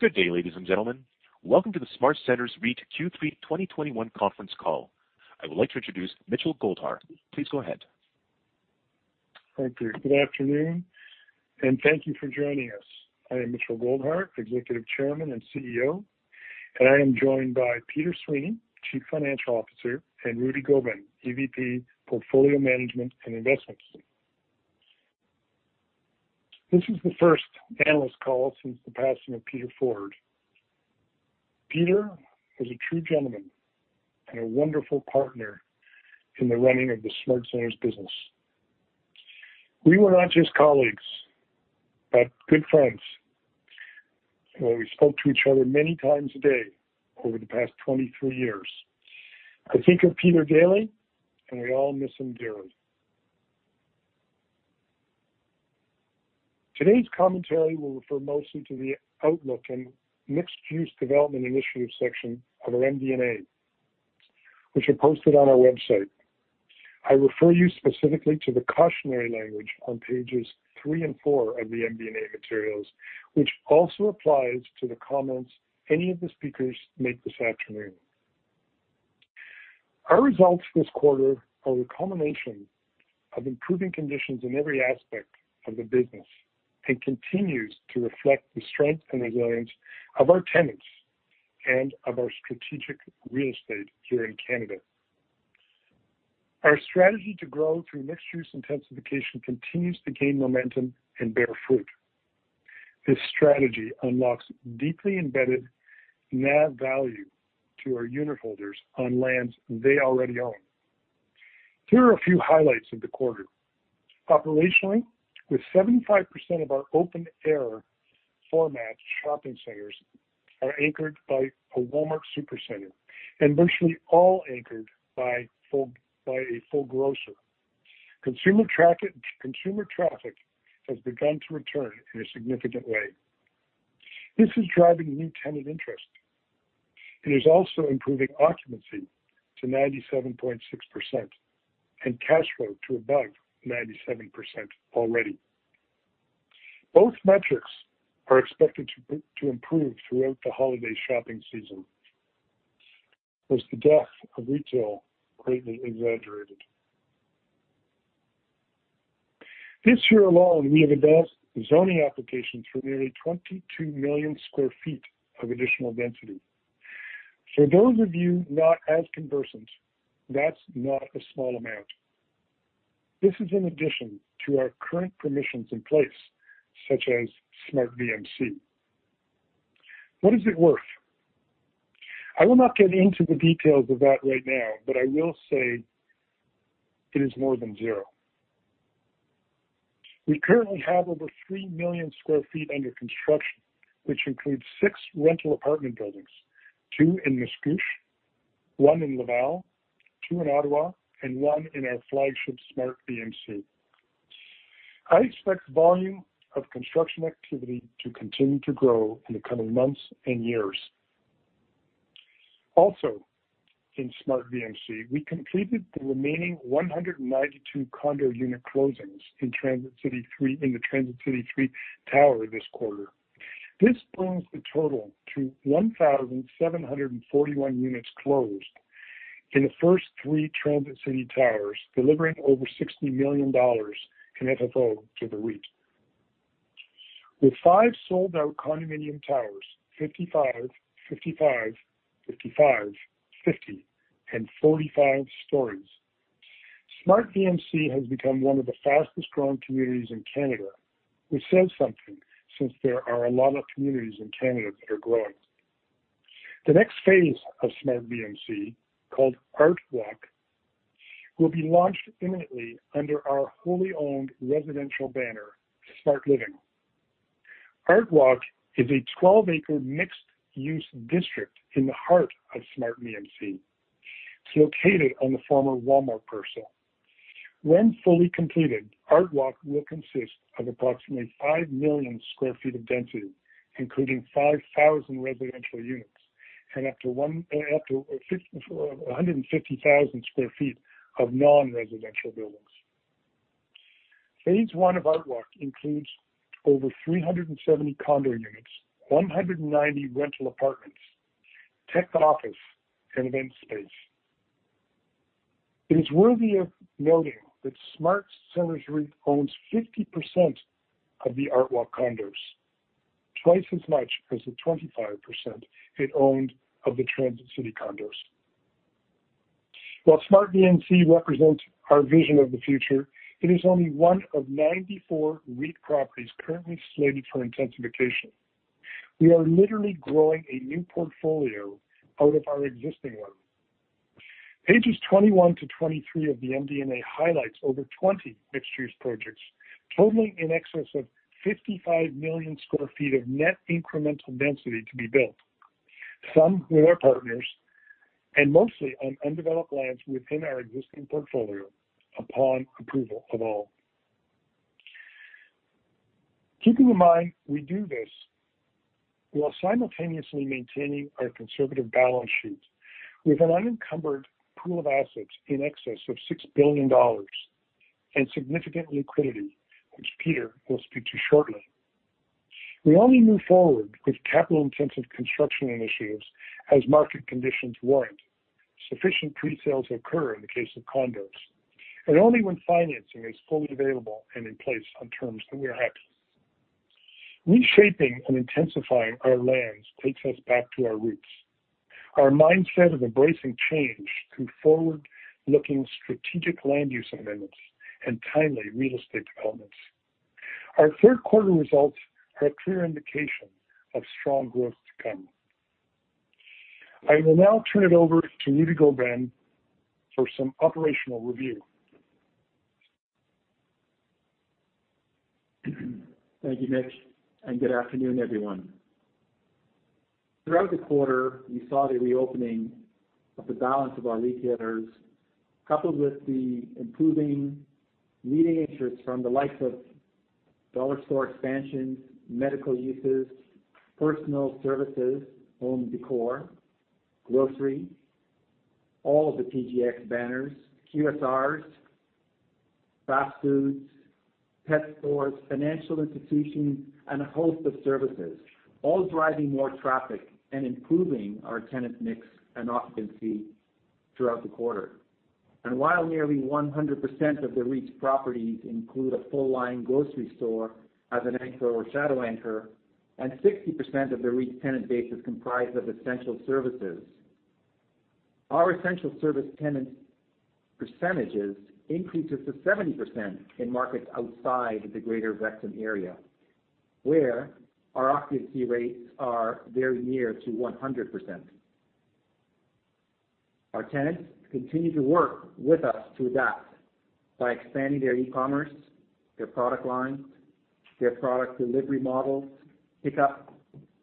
Good day, ladies and gentlemen. Welcome to the SmartCentres REIT Q3 2021 conference call. I would like to introduce Mitchell Goldhar. Please go ahead. Thank you. Good afternoon, and thank you for joining us. I am Mitchell Goldhar, Executive Chairman and CEO, and I am joined by Peter Sweeney, Chief Financial Officer, and Rudy Gobin, EVP, Portfolio Management and Investments. This is the first analyst call since the passing of Peter Forde. Peter was a true gentleman and a wonderful partner in the running of the SmartCentres business. We were not just colleagues, but good friends, where we spoke to each other many times a day over the past 23 years. I think of Peter daily, and we all miss him dearly. Today's commentary will refer mostly to the outlook and mixed-use development initiative section of our MD&A, which are posted on our website. I refer you specifically to the cautionary language on pages three and four of the MD&A materials, which also applies to the comments any of the speakers make this afternoon. Our results this quarter are a combination of improving conditions in every aspect of the business and continues to reflect the strength and resilience of our tenants and of our strategic real estate here in Canada. Our strategy to grow through mixed-use intensification continues to gain momentum and bear fruit. This strategy unlocks deeply embedded NAV value to our unitholders on lands they already own. Here are a few highlights of the quarter. Operationally, with 75% of our open air format shopping centers are anchored by a Walmart Supercenters and virtually all anchored by a full grocer. Consumer traffic has begun to return in a significant way. This is driving new tenant interest and is also improving occupancy to 97.6% and cash flow to above 97% already. Both metrics are expected to improve throughout the holiday shopping season as the death of retail is greatly exaggerated. This year alone, we have advanced zoning applications for nearly 22 million sq ft of additional density. For those of you not as conversant, that's not a small amount. This is in addition to our current permissions in place, such as SmartVMC. What is it worth? I will not get into the details of that right now, but I will say it is more than zero. We currently have over 3 million sq ft under construction, which includes six rental apartment buildings, two in Mississauga, one in Laval, two in Ottawa, and one in our flagship, SmartVMC. I expect volume of construction activity to continue to grow in the coming months and years. Also, in SmartVMC, we completed the remaining 192 condo unit closings in the Transit City Three tower this quarter. This brings the total to 1,741 units closed in the first three Transit City towers, delivering over 60 million dollars in FFO to the REIT. With five sold-out condominium towers, 55, 50, and 45 stories, SmartVMC has become one of the fastest-growing communities in Canada, which says something since there are a lot of communities in Canada that are growing. The next phase of SmartVMC, called Artwalk, will be launched imminently under our wholly owned residential banner, SmartLiving. Artwalk is a 12-acre mixed-use district in the heart of SmartVMC. It's located on the former Walmart parcel. When fully completed, Artwalk will consist of approximately 5 million sq ft of density, including 5,000 residential units and up to 150,000 sq ft of non-residential buildings. Phase I of Artwalk includes over 370 condo units, 190 rental apartments, tech office, and event space. It is worthy of noting that SmartCentres REIT owns 50% of the Artwalk condos, twice as much as the 25% it owned of the Transit City condos. While SmartVMC represents our vision of the future, it is only one of 94 REIT properties currently slated for intensification. We are literally growing a new portfolio out of our existing one. Pages 21 to 23 of the MD&A highlights over 20 mixed-use projects, totaling in excess of 55 million sq ft of net incremental density to be built, some with our partners and mostly on undeveloped lands within our existing portfolio upon approval of all. Keeping in mind we do this While simultaneously maintaining our conservative balance sheet with an unencumbered pool of assets in excess of 6 billion dollars and significant liquidity, which Peter will speak to shortly. We only move forward with capital-intensive construction initiatives as market conditions warrant. Sufficient presales occur in the case of condos, and only when financing is fully available and in place on terms that we are happy. Reshaping and intensifying our lands takes us back to our roots. Our mindset of embracing change through forward-looking strategic land use amendments and timely real estate developments. Our third quarter results are a clear indication of strong growth to come. I will now turn it over to Rudy Gobin for some operational review. Thank you, Mitch, and good afternoon, everyone. Throughout the quarter, we saw the reopening of the balance of our retailers, coupled with the improving leading entrants from the likes of dollar store expansion, medical uses, personal services, home decor, grocery, all of the TJX banners, QSRs, fast foods, pet stores, financial institutions, and a host of services, all driving more traffic and improving our tenant mix and occupancy throughout the quarter. While nearly 100% of the REIT's properties include a full-line grocery store as an anchor or shadow anchor, and 60% of the REIT's tenant base is comprised of essential services. Our essential service tenant percentage increases to 70% in markets outside the Greater Area, where our occupancy rates are very near to 100%. Our tenants continue to work with us to adapt by expanding their e-commerce, their product lines, their product delivery models, pickup,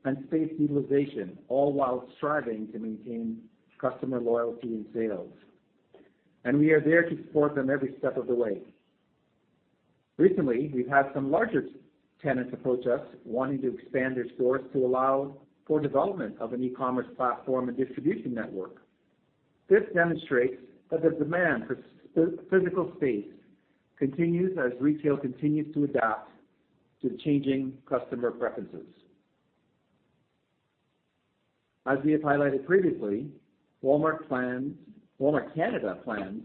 and space utilization, all while striving to maintain customer loyalty and sales. We are there to support them every step of the way. Recently, we've had some larger tenants approach us wanting to expand their stores to allow for development of an e-commerce platform and distribution network. This demonstrates that the demand for physical space continues as retail continues to adapt to changing customer preferences. As we have highlighted previously, Walmart Canada plans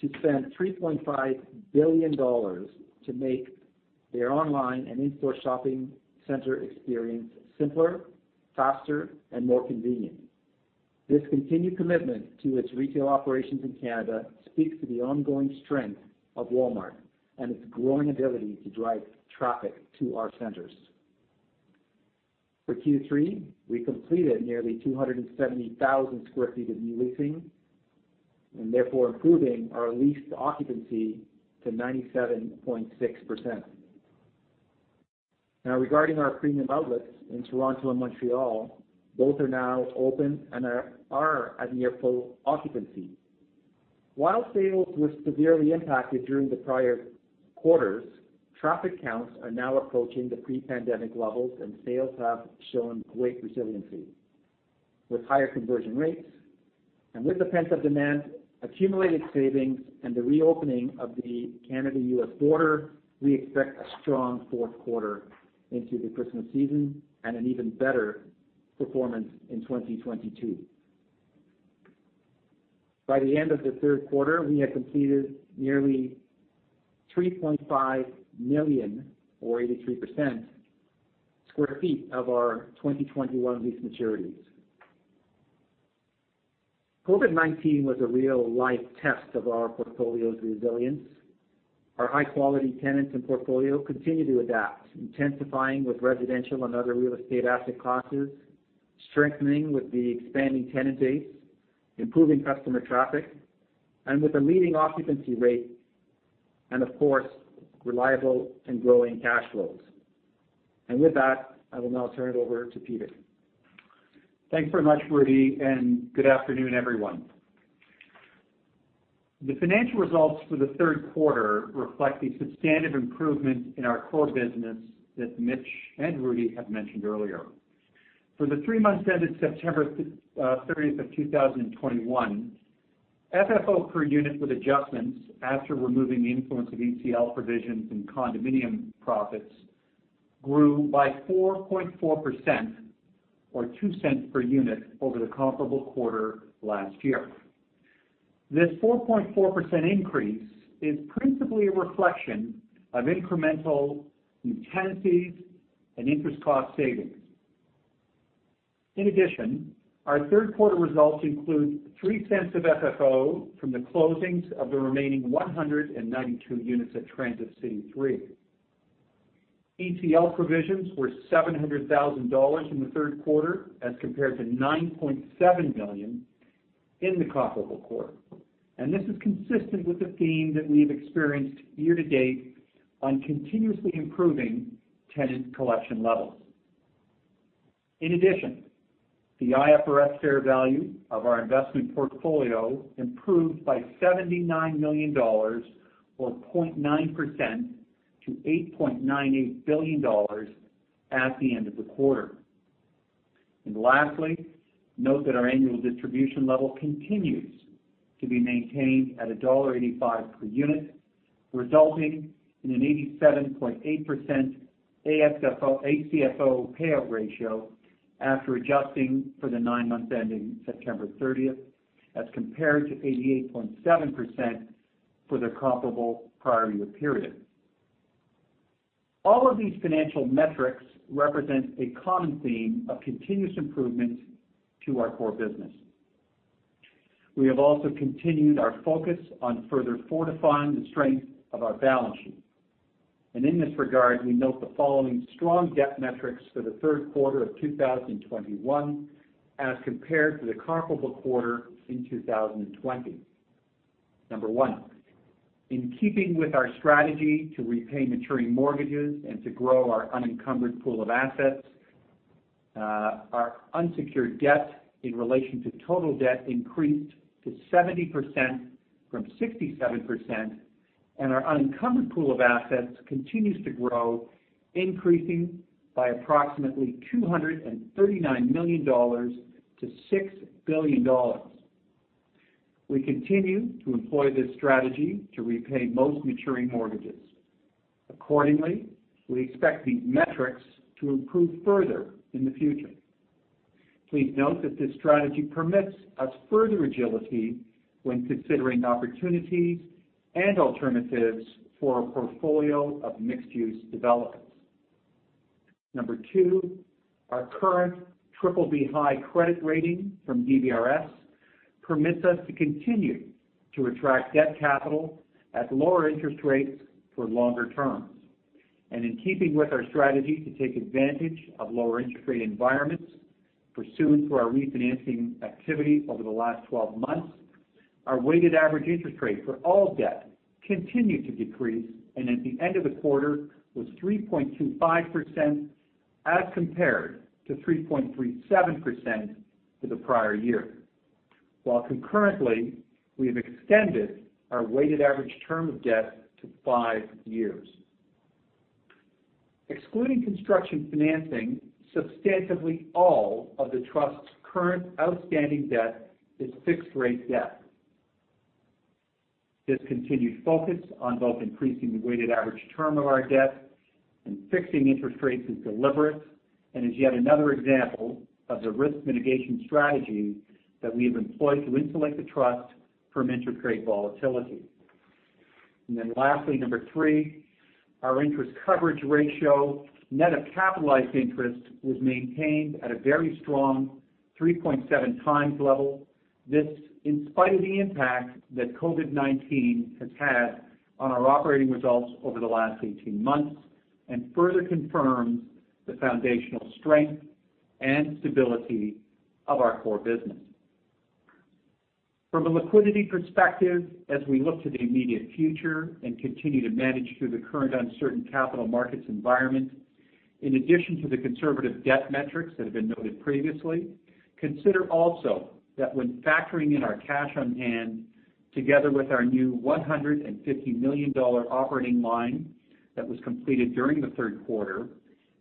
to spend 3.5 billion dollars to make their online and in-store shopping center experience simpler, faster, and more convenient. This continued commitment to its retail operations in Canada speaks to the ongoing strength of Walmart and its growing ability to drive traffic to our centers. For Q3, we completed nearly 270,000 sq ft of new leasing and therefore improving our leased occupancy to 97.6%. Now regarding our premium outlets in Toronto and Montreal, both are now open and are at near full occupancy. While sales were severely impacted during the prior quarters, traffic counts are now approaching the pre-pandemic levels and sales have shown great resiliency with higher conversion rates. With the pent-up demand, accumulated savings, and the reopening of the Canada-U.S. border, we expect a strong fourth quarter into the Christmas season and an even better performance in 2022. By the end of the third quarter, we had completed nearly 3.5 million or 83% sq ft of our 2021 lease maturities. COVID-19 was a real-life test of our portfolio's resilience. Our high-quality tenants and portfolio continue to adapt, intensifying with residential and other real estate asset classes, strengthening with the expanding tenant base, improving customer traffic, and with a leading occupancy rate and of course, reliable and growing cash flows. With that, I will now turn it over to Peter. Thanks very much, Rudy, and good afternoon, everyone. The financial results for the third quarter reflect the substantive improvement in our core business that Mitch and Rudy have mentioned earlier. For the three months ended September 30, 2021, FFO per unit with adjustments after removing the influence of ECL provisions and condominium profits grew by 4.4% or 0.02 per unit over the comparable quarter last year. This 4.4% increase is principally a reflection of incremental tenancies and interest cost savings. In addition, our third quarter results include 0.03 of FFO from the closings of the remaining 192 units at Transit City Three. ECL provisions were 700,000 dollars in the third quarter as compared to 9.7 billion in the comparable quarter. This is consistent with the theme that we've experienced year-to-date on continuously improving tenant collection levels. In addition, the IFRS fair value of our investment portfolio improved by 79 million dollars or 0.9% to 8.98 billion dollars at the end of the quarter. Lastly, note that our annual distribution level continues to be maintained at dollar 1.85 per unit, resulting in an 87.8% AFFO - ACFO payout ratio after adjusting for the nine months ending September 30th, as compared to 88.7% for the comparable prior year period. All of these financial metrics represent a common theme of continuous improvement to our core business. We have also continued our focus on further fortifying the strength of our balance sheet. In this regard, we note the following strong debt metrics for the third quarter of 2021 as compared to the comparable quarter in 2020. Number one, in keeping with our strategy to repay maturing mortgages and to grow our unencumbered pool of assets, our unsecured debt in relation to total debt increased to 70% from 67%, and our unencumbered pool of assets continues to grow, increasing by approximately 239 million dollars to 6 billion dollars. We continue to employ this strategy to repay most maturing mortgages. Accordingly, we expect these metrics to improve further in the future. Please note that this strategy permits us further agility when considering opportunities and alternatives for a portfolio of mixed-use developments. Number two, our current triple B high credit rating from DBRS permits us to continue to attract debt capital at lower interest rates for longer terms. In keeping with our strategy to take advantage of lower interest rate environments, pursuant to our refinancing activity over the last 12 months, our weighted average interest rate for all debt continued to decrease, and at the end of the quarter was 3.25% as compared to 3.37% for the prior year. While concurrently, we have extended our weighted average term of debt to five years. Excluding construction financing, substantively all of the trust's current outstanding debt is fixed-rate debt. This continued focus on both increasing the weighted average term of our debt and fixing interest rates is deliberate and is yet another example of the risk mitigation strategy that we have employed to insulate the trust from interest rate volatility. Lastly, number three, our interest coverage ratio, net of capitalized interest, was maintained at a very strong 3.7x level. This, in spite of the impact that COVID-19 has had on our operating results over the last 18 months and further confirms the foundational strength and stability of our core business. From a liquidity perspective, as we look to the immediate future and continue to manage through the current uncertain capital markets environment, in addition to the conservative debt metrics that have been noted previously, consider also that when factoring in our cash on hand together with our new 150 million dollar operating line that was completed during the third quarter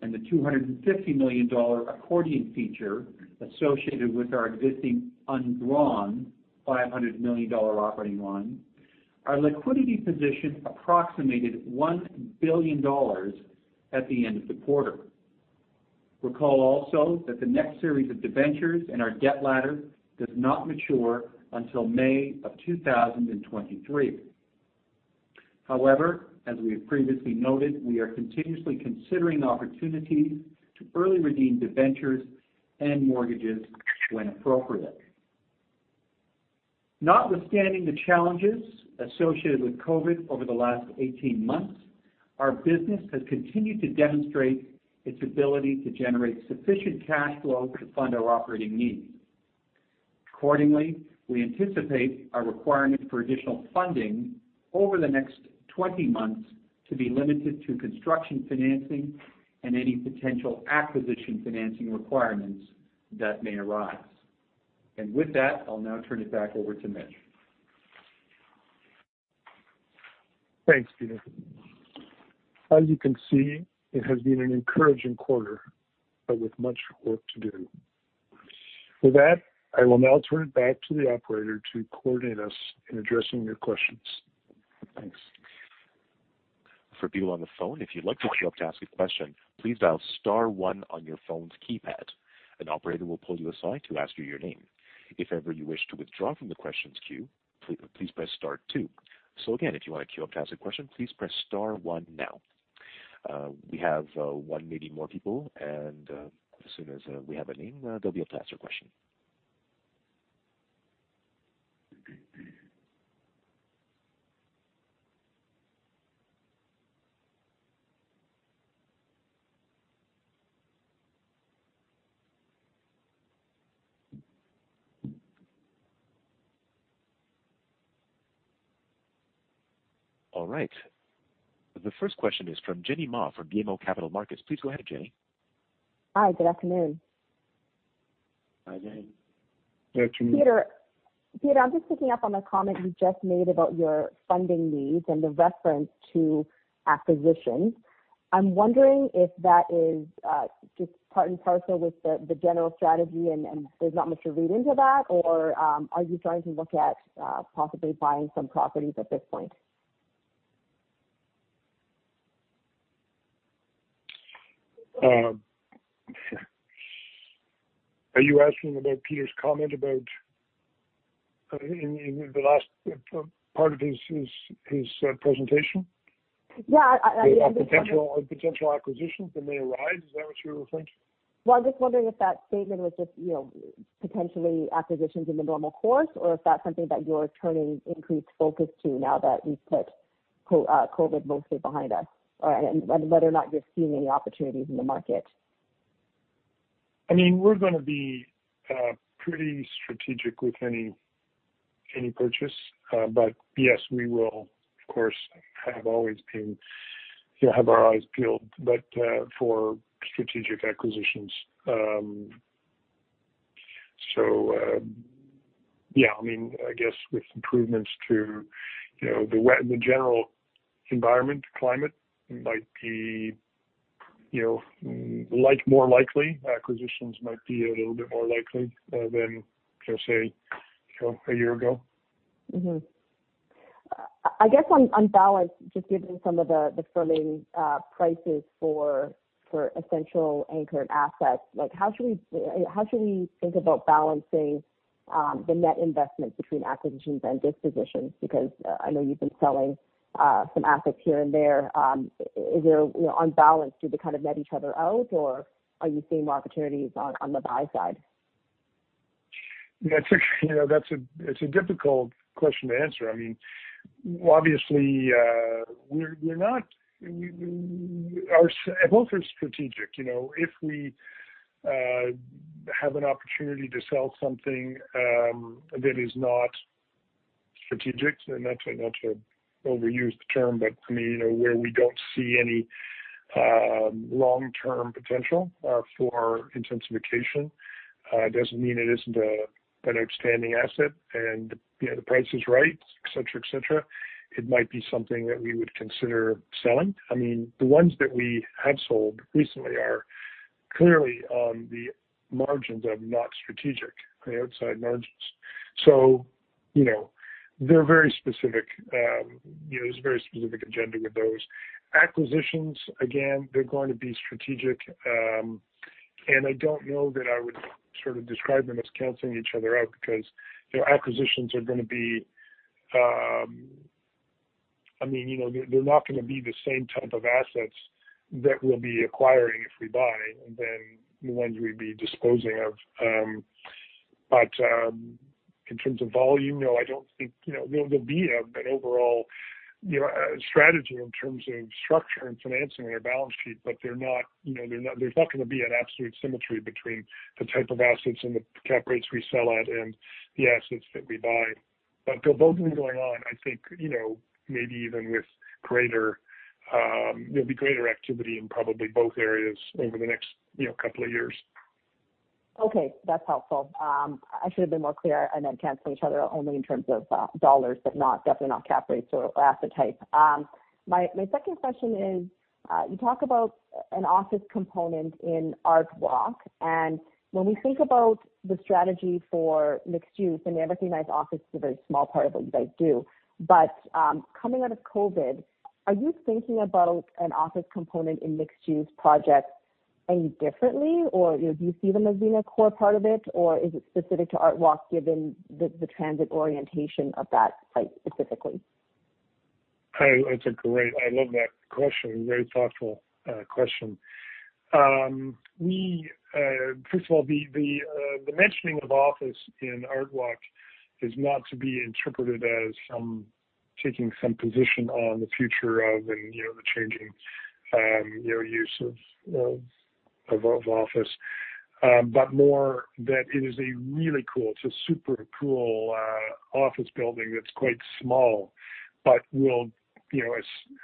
and the 250 million dollar accordion feature associated with our existing undrawn 500 million dollar operating line, our liquidity position approximated 1 billion dollars at the end of the quarter. Recall also that the next series of debentures in our debt ladder does not mature until May 2023. However, as we have previously noted, we are continuously considering opportunities to early redeem debentures and mortgages when appropriate. Notwithstanding the challenges associated with COVID over the last 18 months, our business has continued to demonstrate its ability to generate sufficient cash flow to fund our operating needs. Accordingly, we anticipate our requirement for additional funding over the next 20 months to be limited to construction financing and any potential acquisition financing requirements that may arise. With that, I'll now turn it back over to Mitchell. Thanks, Peter. As you can see, it has been an encouraging quarter, but with much work to do. With that, I will now turn it back to the operator to coordinate us in addressing your questions. Thanks. For people on the phone, if you'd like to queue up to ask a question, please dial star one on your phone's keypad. An operator will pull you aside to ask you your name. If ever you wish to withdraw from the questions queue, please press star two. Again, if you want to queue up to ask a question, please press star one now. We have one, maybe more people, and as soon as we have a name, they'll be able to ask their question. All right. The first question is from Jenny Ma from BMO Capital Markets. Please go ahead, Jenny. Hi, good afternoon. Hi, Jenny. Good afternoon. Peter, I'm just picking up on a comment you just made about your funding needs and the reference to acquisitions. I'm wondering if that is just part and parcel with the general strategy and there's not much to read into that? Or, are you starting to look at possibly buying some properties at this point? Are you asking about Peter's comment about in the last part of his presentation? Yeah. About potential acquisitions that may arise. Is that what you were referring to? Well, I'm just wondering if that statement was just, you know, potentially acquisitions in the normal course or if that's something that you're turning increased focus to now that we've put COVID mostly behind us. And whether or not you're seeing any opportunities in the market. I mean, we're gonna be pretty strategic with any purchase. Yes, we will, of course, have always been, you know, have our eyes peeled for strategic acquisitions. Yeah, I mean, I guess with improvements to, you know, the general environment climate might be, you know, like more likely. Acquisitions might be a little bit more likely than just, say, you know, a year ago. I guess on balance, just given some of the current prices for essential anchored assets, like how should we think about balancing the net investment between acquisitions and dispositions? Because I know you've been selling some assets here and there. Is there, you know, on balance, do they kind of net each other out, or are you seeing more opportunities on the buy side? It's a difficult question to answer. I mean, obviously, we are both strategic, you know. If we have an opportunity to sell something that is not strategic, and not to overuse the term, but for me, you know, where we don't see any long-term potential for intensification, doesn't mean it isn't an outstanding asset and, you know, the price is right, et cetera, et cetera. It might be something that we would consider selling. I mean, the ones that we have sold recently are clearly on the margins of not strategic, the outside margins. You know, they're very specific. You know, there's a very specific agenda with those. Acquisitions, again, they're going to be strategic. I don't know that I would sort of describe them as canceling each other out because, you know, acquisitions are gonna be. I mean, you know, they're not gonna be the same type of assets that we'll be acquiring if we buy, than the ones we'd be disposing of. In terms of volume, you know, I don't think, you know, there'll be an overall, you know, strategy in terms of structure and financing on our balance sheet, but they're not, you know. There's not gonna be an absolute symmetry between the type of assets and the cap rates we sell at and the assets that we buy. They'll both be going on, I think, you know, maybe even with greater there'll be greater activity in probably both areas over the next, you know, couple of years. Okay, that's helpful. I should have been more clear on that cancel each other only in terms of dollars, but not, definitely not cap rates or asset type. My second question is, you talk about an office component in Artwalk. When we think about the strategy for mixed use, I know everything that's office is a very small part of what you guys do. Coming out of COVID, are you thinking about an office component in mixed use projects any differently, or, you know, do you see them as being a core part of it, or is it specific to Artwalk given the transit orientation of that site specifically? It's a great question. I love that question. Very thoughtful question. We first of all, the mentioning of office in Artwalk is not to be interpreted as some taking some position on the future of and, you know, the changing, you know, use of office. But more that it is a really cool, it's a super cool office building that's quite small, but will, you know,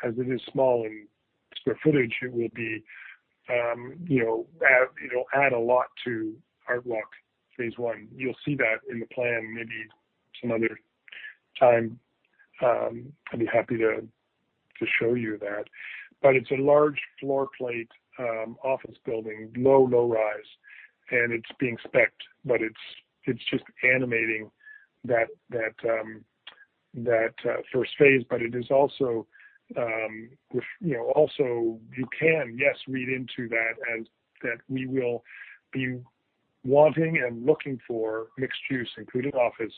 as it is small in square footage, it will be, you know, add a lot to Artwalk phase one. You'll see that in the plan maybe some other time. I'd be happy to show you that. But it's a large floor plate office building, low rise, and it's being spec, but it's just animating that first phase. It is also, with, you know, also you can, yes, read into that and that we will be wanting and looking for mixed-use, including office,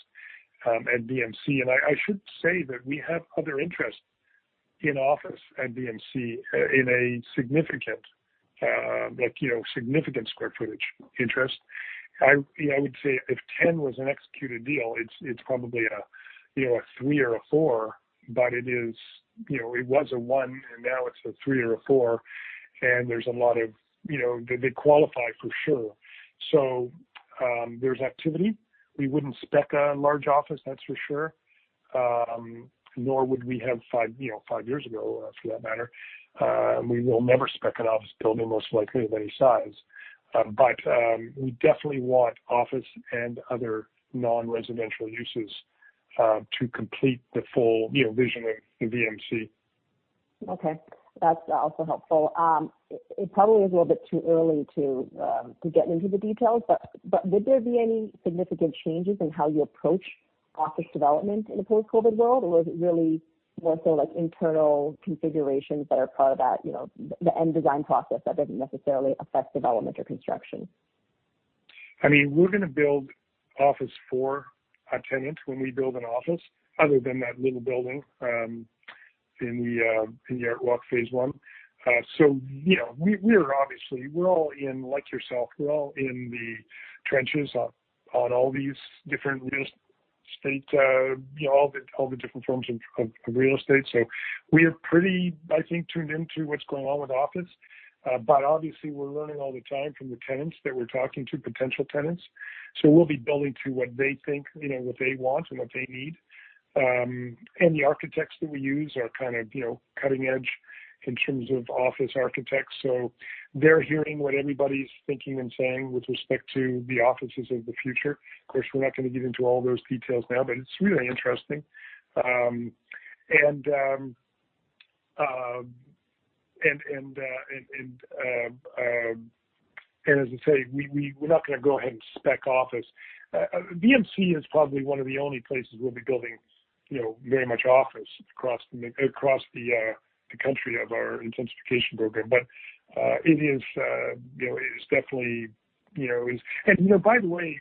at VMC. I should say that we have other interest in office at VMC in a significant, like, you know, significant square footage interest. I would say if 10 was an executed deal, it's probably a three or a four, but it was a one, and now it's a three or four. There's a lot of, you know, they qualify for sure. There's activity. We wouldn't spec a large office, that's for sure, nor would we have five years ago, for that matter. We will never spec an office building, most likely, of any size. We definitely want office and other non-residential uses to complete the full, you know, vision of VMC. Okay. That's also helpful. It probably is a little bit too early to get into the details, but would there be any significant changes in how you approach office development in a post-COVID world? Or was it really more so like internal configurations that are part of that, you know, the end design process that doesn't necessarily affect development or construction? I mean, we're going to build office for our tenants when we build an office other than that little building in the ArtWalk Phase One. You know, like yourself, we're all in the trenches on all these different forms of real estate. We are pretty, I think, tuned into what's going on with office. Obviously we're learning all the time from the tenants that we're talking to, potential tenants. We'll be building to what they think, you know, what they want and what they need. The architects that we use are kind of, you know, cutting edge in terms of office architects. They're hearing what everybody's thinking and saying with respect to the offices of the future. Of course, we're not going to get into all those details now, but it's really interesting. As I say, we're not going to go ahead and spec office. VMC is probably one of the only places we'll be building, you know, very much office across the country of our intensification program. It is definitely, you know. By the way,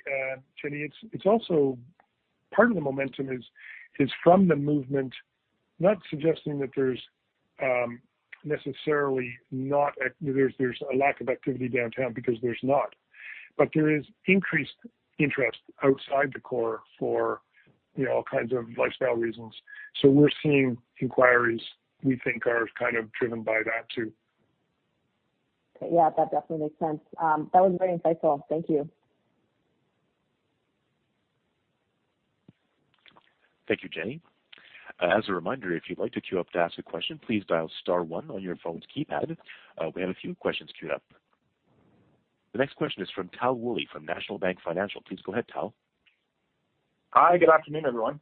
Jenny, it's also part of the momentum from the movement, not suggesting that there's necessarily a lack of activity downtown because there's not. There is increased interest outside the core for, you know, all kinds of lifestyle reasons. We're seeing inquiries we think are kind of driven by that, too. Yeah, that definitely makes sense. That was very insightful. Thank you. Thank you, Jenny. As a reminder, if you'd like to queue up to ask a question, please dial star one on your phone's keypad. We have a few questions queued up. The next question is from Tal Woolley from National Bank Financial. Please go ahead, Tal. Hi, good afternoon, everyone.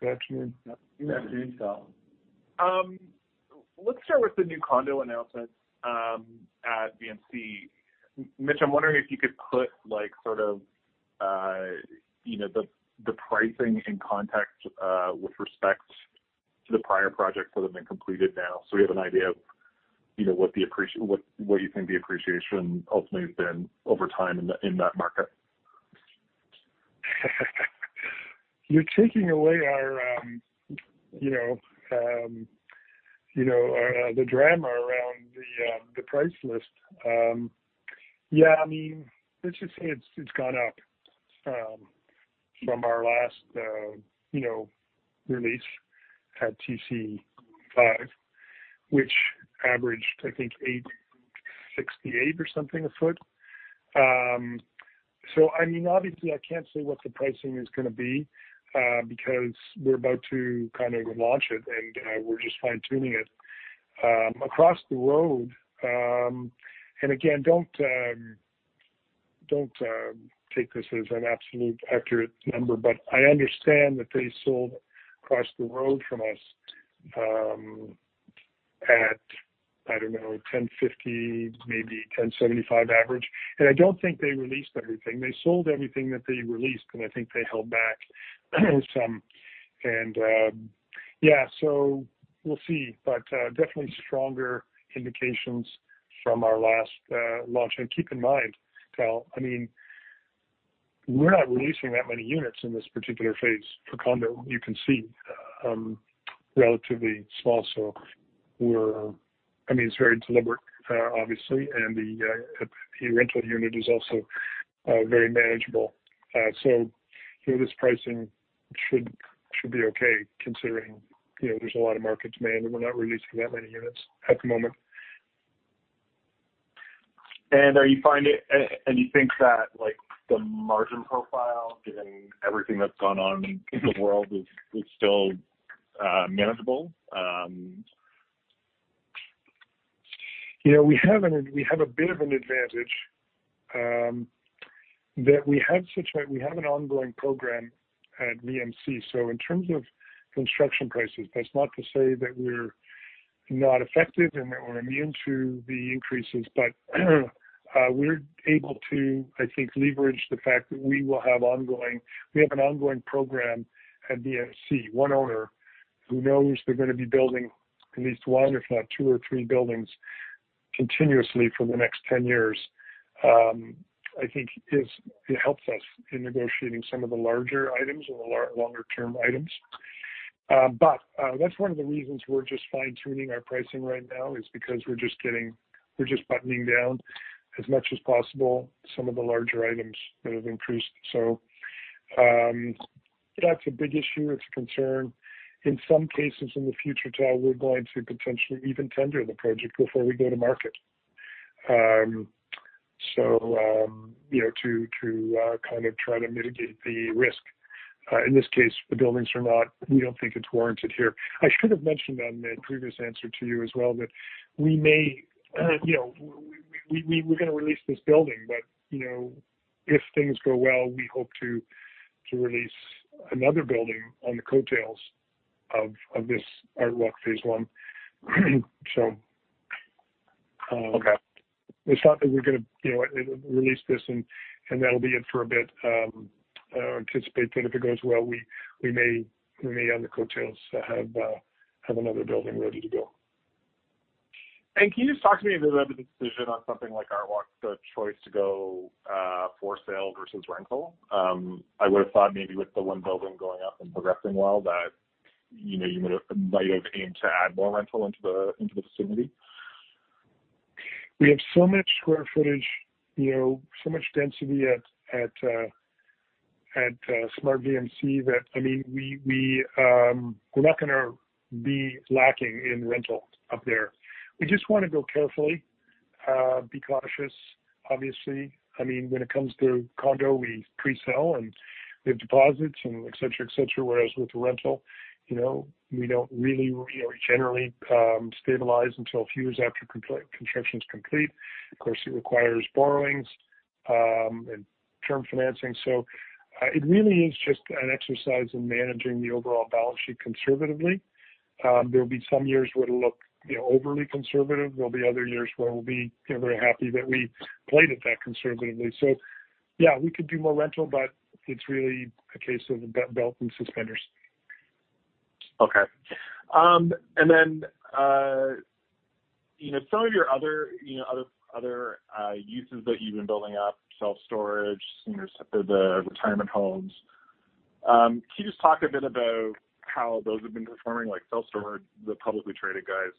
Good afternoon. Good afternoon, Tal. Let's start with the new condo announcements at VMC. Mitch, I'm wondering if you could put like sort of, you know, the pricing in context with respect to the prior projects that have been completed now, so we have an idea of, you know, what you think the appreciation ultimately has been over time in that market? You're taking away our, you know, the drama around the price list. Yeah, I mean, let's just say it's gone up from our last, you know, release at TC5, which averaged I think 868 or something a foot. So I mean, obviously I can't say what the pricing is going to be because we're about to kind of launch it and we're just fine-tuning it. Across the road, and again, don't take this as an absolute accurate number, but I understand that they sold across the road from us at I don't know 1,050, maybe 1,075 average. Yeah, so we'll see. Definitely stronger indications from our last launch. Keep in mind, Tal, I mean, we're not releasing that many units in this particular phase for condo. You can see, relatively small. I mean, it's very deliberate, obviously, and the rental unit is also very manageable. So, you know, this pricing should be okay considering, you know, there's a lot of market demand and we're not releasing that many units at the moment. You think that, like, the margin profile, given everything that's gone on in the world, is still manageable? You know, we have a bit of an advantage that we have an ongoing program at VMC. In terms of construction prices, that's not to say that we're not affected and that we're immune to the increases. We're able to, I think, leverage the fact that we have an ongoing program at VMC, one owner who knows they're going to be building at least one, if not two or three buildings continuously for the next 10 years. It helps us in negotiating some of the larger items or the longer term items. That's one of the reasons we're just fine-tuning our pricing right now, is because we're just buttoning down as much as possible some of the larger items that have increased. That's a big issue. It's a concern. In some cases in the future we'll potentially even tender the project before we go to market. You know, to kind of try to mitigate the risk. In this case, we don't think it's warranted here. I should have mentioned on the previous answer to you as well that we may, you know, we're gonna lease this building, but, you know, if things go well, we hope to lease another building on the coattails of this ArtWalk Phase One. Okay. It's not that we're gonna, you know, release this and that'll be it for a bit. I anticipate that if it goes well, we may on the coattails have another building ready to go. Can you just talk to me a bit about the decision on something like ArtWalk, the choice to go for sale versus rental? I would have thought maybe with the one building going up and progressing well, that, you know, you would might have aimed to add more rental into the vicinity. We have so much square footage, so much density at Smart VMC that, I mean, we're not gonna be lacking in rental up there. We just wanna go carefully, be cautious, obviously. I mean, when it comes to condo, we pre-sell and we have deposits and et cetera, et cetera. Whereas with rental, you know, we don't really, you know, generally, stabilize until a few years after construction is complete. Of course, it requires borrowings, and term financing. It really is just an exercise in managing the overall balance sheet conservatively. There'll be some years where it'll look, you know, overly conservative. There'll be other years where we'll be, you know, very happy that we played it that conservatively. Yeah, we could do more rental, but it's really a case of belt and suspenders. Okay. You know, some of your other uses that you've been building up, self-storage, you know, the retirement homes, can you just talk a bit about how those have been performing? Like self-storage, the publicly traded guys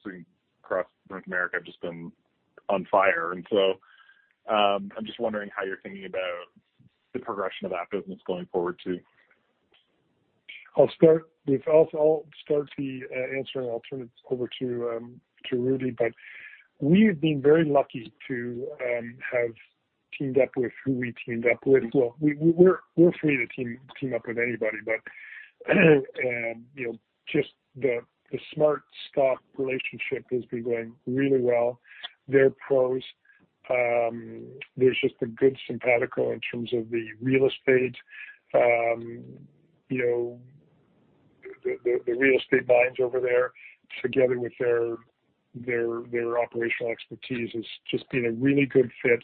across North America have just been on fire. I'm just wondering how you're thinking about the progression of that business going forward too. I'll start the answer and I'll turn it over to Rudy. We've been very lucky to have teamed up with who we teamed up with. We're free to team up with anybody, but you know, just the SmartStop relationship has been going really well. They're pros. There's just a good simpatico in terms of the real estate. You know, the real estate minds over there, together with their operational expertise, has just been a really good fit.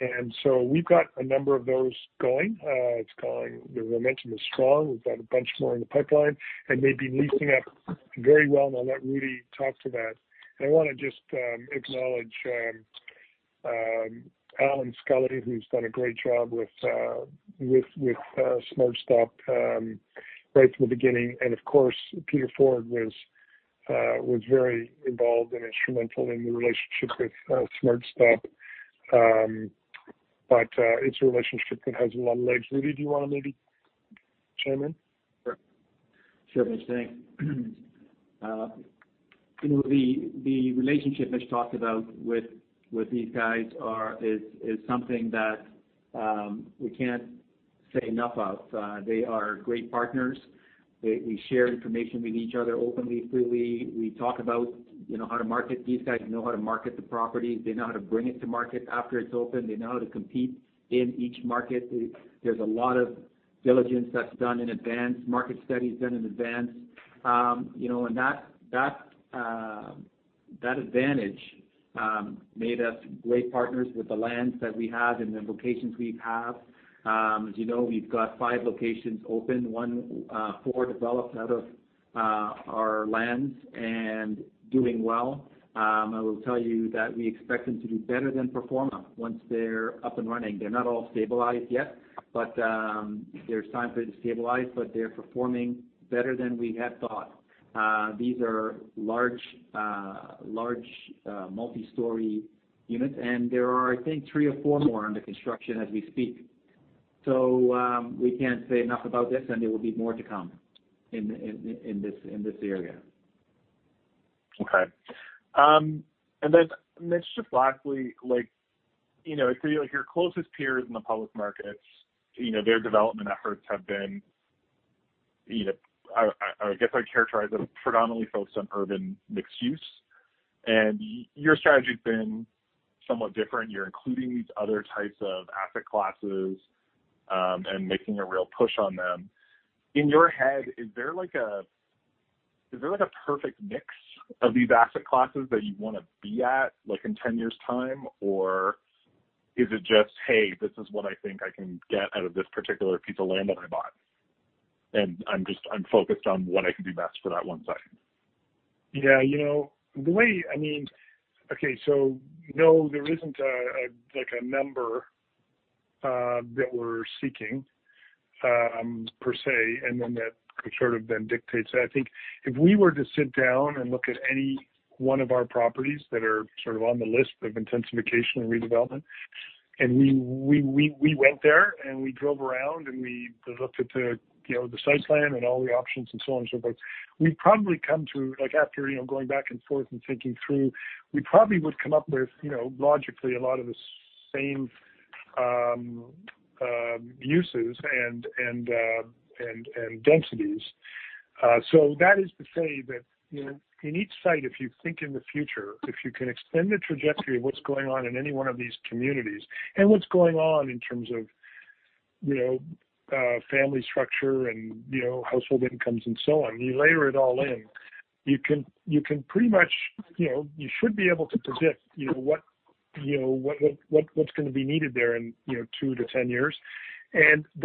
And so we've got a number of those going. It's going. The momentum is strong. We've got a bunch more in the pipeline, and they've been leasing up very well. I'll let Rudy talk to that. I wanna just acknowledge Allan Scully, who's done a great job with SmartStop right from the beginning. Of course, Peter Forde was very involved and instrumental in the relationship with SmartStop. It's a relationship that has long legs. Rudy, do you wanna maybe chime in? Sure. Sure, Mitch. Thanks. You know, the relationship Mitch talked about with these guys is something that we can't say enough of. They are great partners. We share information with each other openly, freely. We talk about, you know, how to market. These guys know how to market the properties. They know how to bring it to market after it's open. They know how to compete in each market. There's a lot of diligence that's done in advance, market studies done in advance. You know, that advantage made us great partners with the lands that we have and the locations we have. As you know, we've got five locations open, four developed out of our lands and doing well. I will tell you that we expect them to do better than pro forma once they're up and running. They're not all stabilized yet, but there's time for them to stabilize, but they're performing better than we had thought. These are large multi-story units, and there are, I think, three or four more under construction as we speak. We can't say enough about this, and there will be more to come in this area. Okay. Then, Mitch, just lastly, like, you know, like your closest peers in the public markets, you know, their development efforts have been, you know, I guess I characterize them predominantly focused on urban mixed use. Your strategy's been somewhat different. You're including these other types of asset classes, and making a real push on them. In your head, is there like a perfect mix of these asset classes that you wanna be at, like in 10 years time? Or is it just, hey, this is what I think I can get out of this particular piece of land that I bought, and I'm focused on what I can do best for that one site? Yeah, you know, the way, I mean. Okay, no, there isn't a like a number that we're seeking per se, and then that sort of then dictates that. I think if we were to sit down and look at any one of our properties that are sort of on the list of intensification and redevelopment, and we went there and we drove around and we looked at the, you know, the site plan and all the options and so on and so forth, we probably come to, like, after, you know, going back and forth and thinking through, we probably would come up with, you know, logically a lot of the same uses and densities. So that is to say that, you know, in each site, if you think in the future, if you can extend the trajectory of what's going on in any one of these communities and what's going on in terms of, you know, family structure and, you know, household incomes and so on, you layer it all in, you can pretty much, you know, you should be able to predict, you know, what’s going to be needed there in, you know, two to 10 years.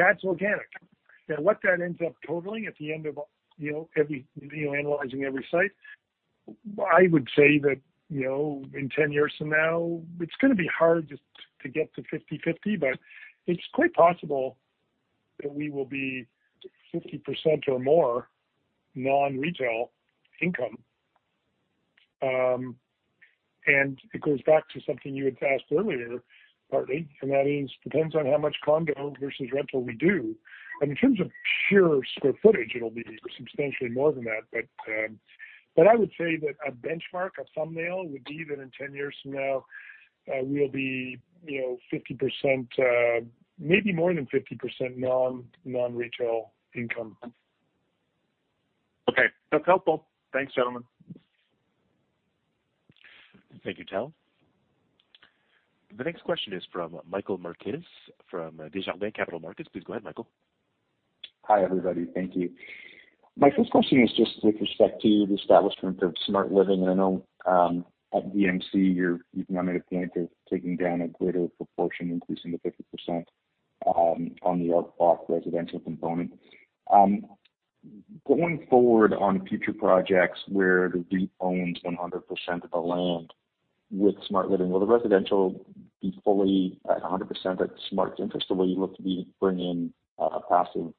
That's organic. Now, what that ends up totaling at the end of, you know, analyzing every site, I would say that, you know, in 10 years from now, it's going to be hard to get to 50/50, but it's quite possible that we will be 50% or more non-retail income. It goes back to something you had asked earlier, partly, and that is, depends on how much condo versus rental we do. In terms of pure square footage, it'll be substantially more than that. I would say that a benchmark, a thumbnail would be that in 10 years from now, we'll be, you know, 50%, maybe more than 50% non-retail income. Okay. That's helpful. Thanks, gentlemen. Thank you, Tal. The next question is from Michael Marquez from Desjardins Capital Markets. Please go ahead, Michael. Hi, everybody. Thank you. My first question is just with respect to the establishment of SmartLiving. I know at VMC, you've now made a point of taking down a greater proportion, increasing to 50%, on the non-residential component. Going forward on future projects where the REIT owns 100% of the land with SmartLiving, will the residential be fully at 100% at Smart's interest, the way you look to be bringing passive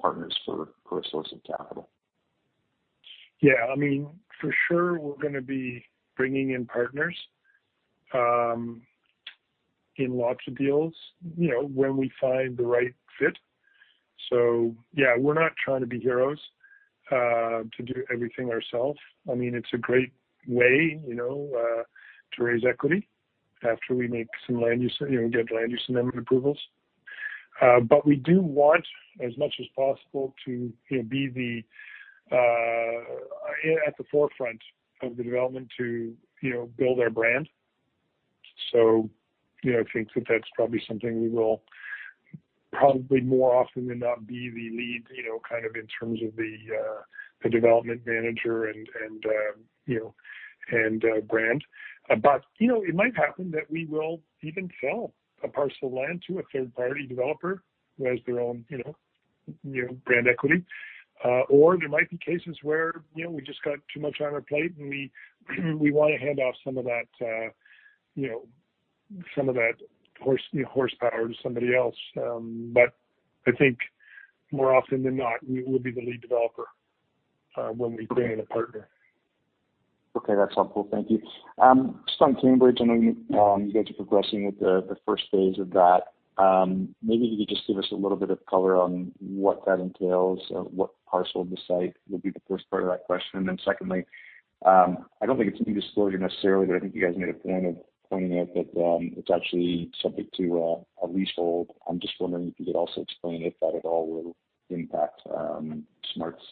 partners for a source of capital? Yeah, I mean, for sure we're gonna be bringing in partners in lots of deals, you know, when we find the right fit. Yeah, we're not trying to be heroes to do everything ourselves. I mean, it's a great way, you know, to raise equity after we make some land use, you know, get land use and then approvals. We do want as much as possible to, you know, be at the forefront of the development to, you know, build our brand. You know, I think that that's probably something we will probably more often than not be the lead, you know, kind of in terms of the development manager and you know, and brand. You know, it might happen that we will even sell a parcel of land to a third-party developer who has their own, you know, brand equity. Or there might be cases where, you know, we just got too much on our plate and we want to hand off some of that, you know, some of that horsepower to somebody else. I think more often than not, we will be the lead developer, when we bring in a partner. Okay. That's helpful. Thank you. Just on Cambridge, I know you guys are progressing with the first phase of that. Maybe you could just give us a little bit of color on what that entails, what parcel of the site would be the first part of that question. Secondly, I don't think it's going to be disclosure necessarily, but I think you guys made a point of pointing out that, it's actually subject to a leasehold. I'm just wondering if you could also explain if that at all will impact, Smart's,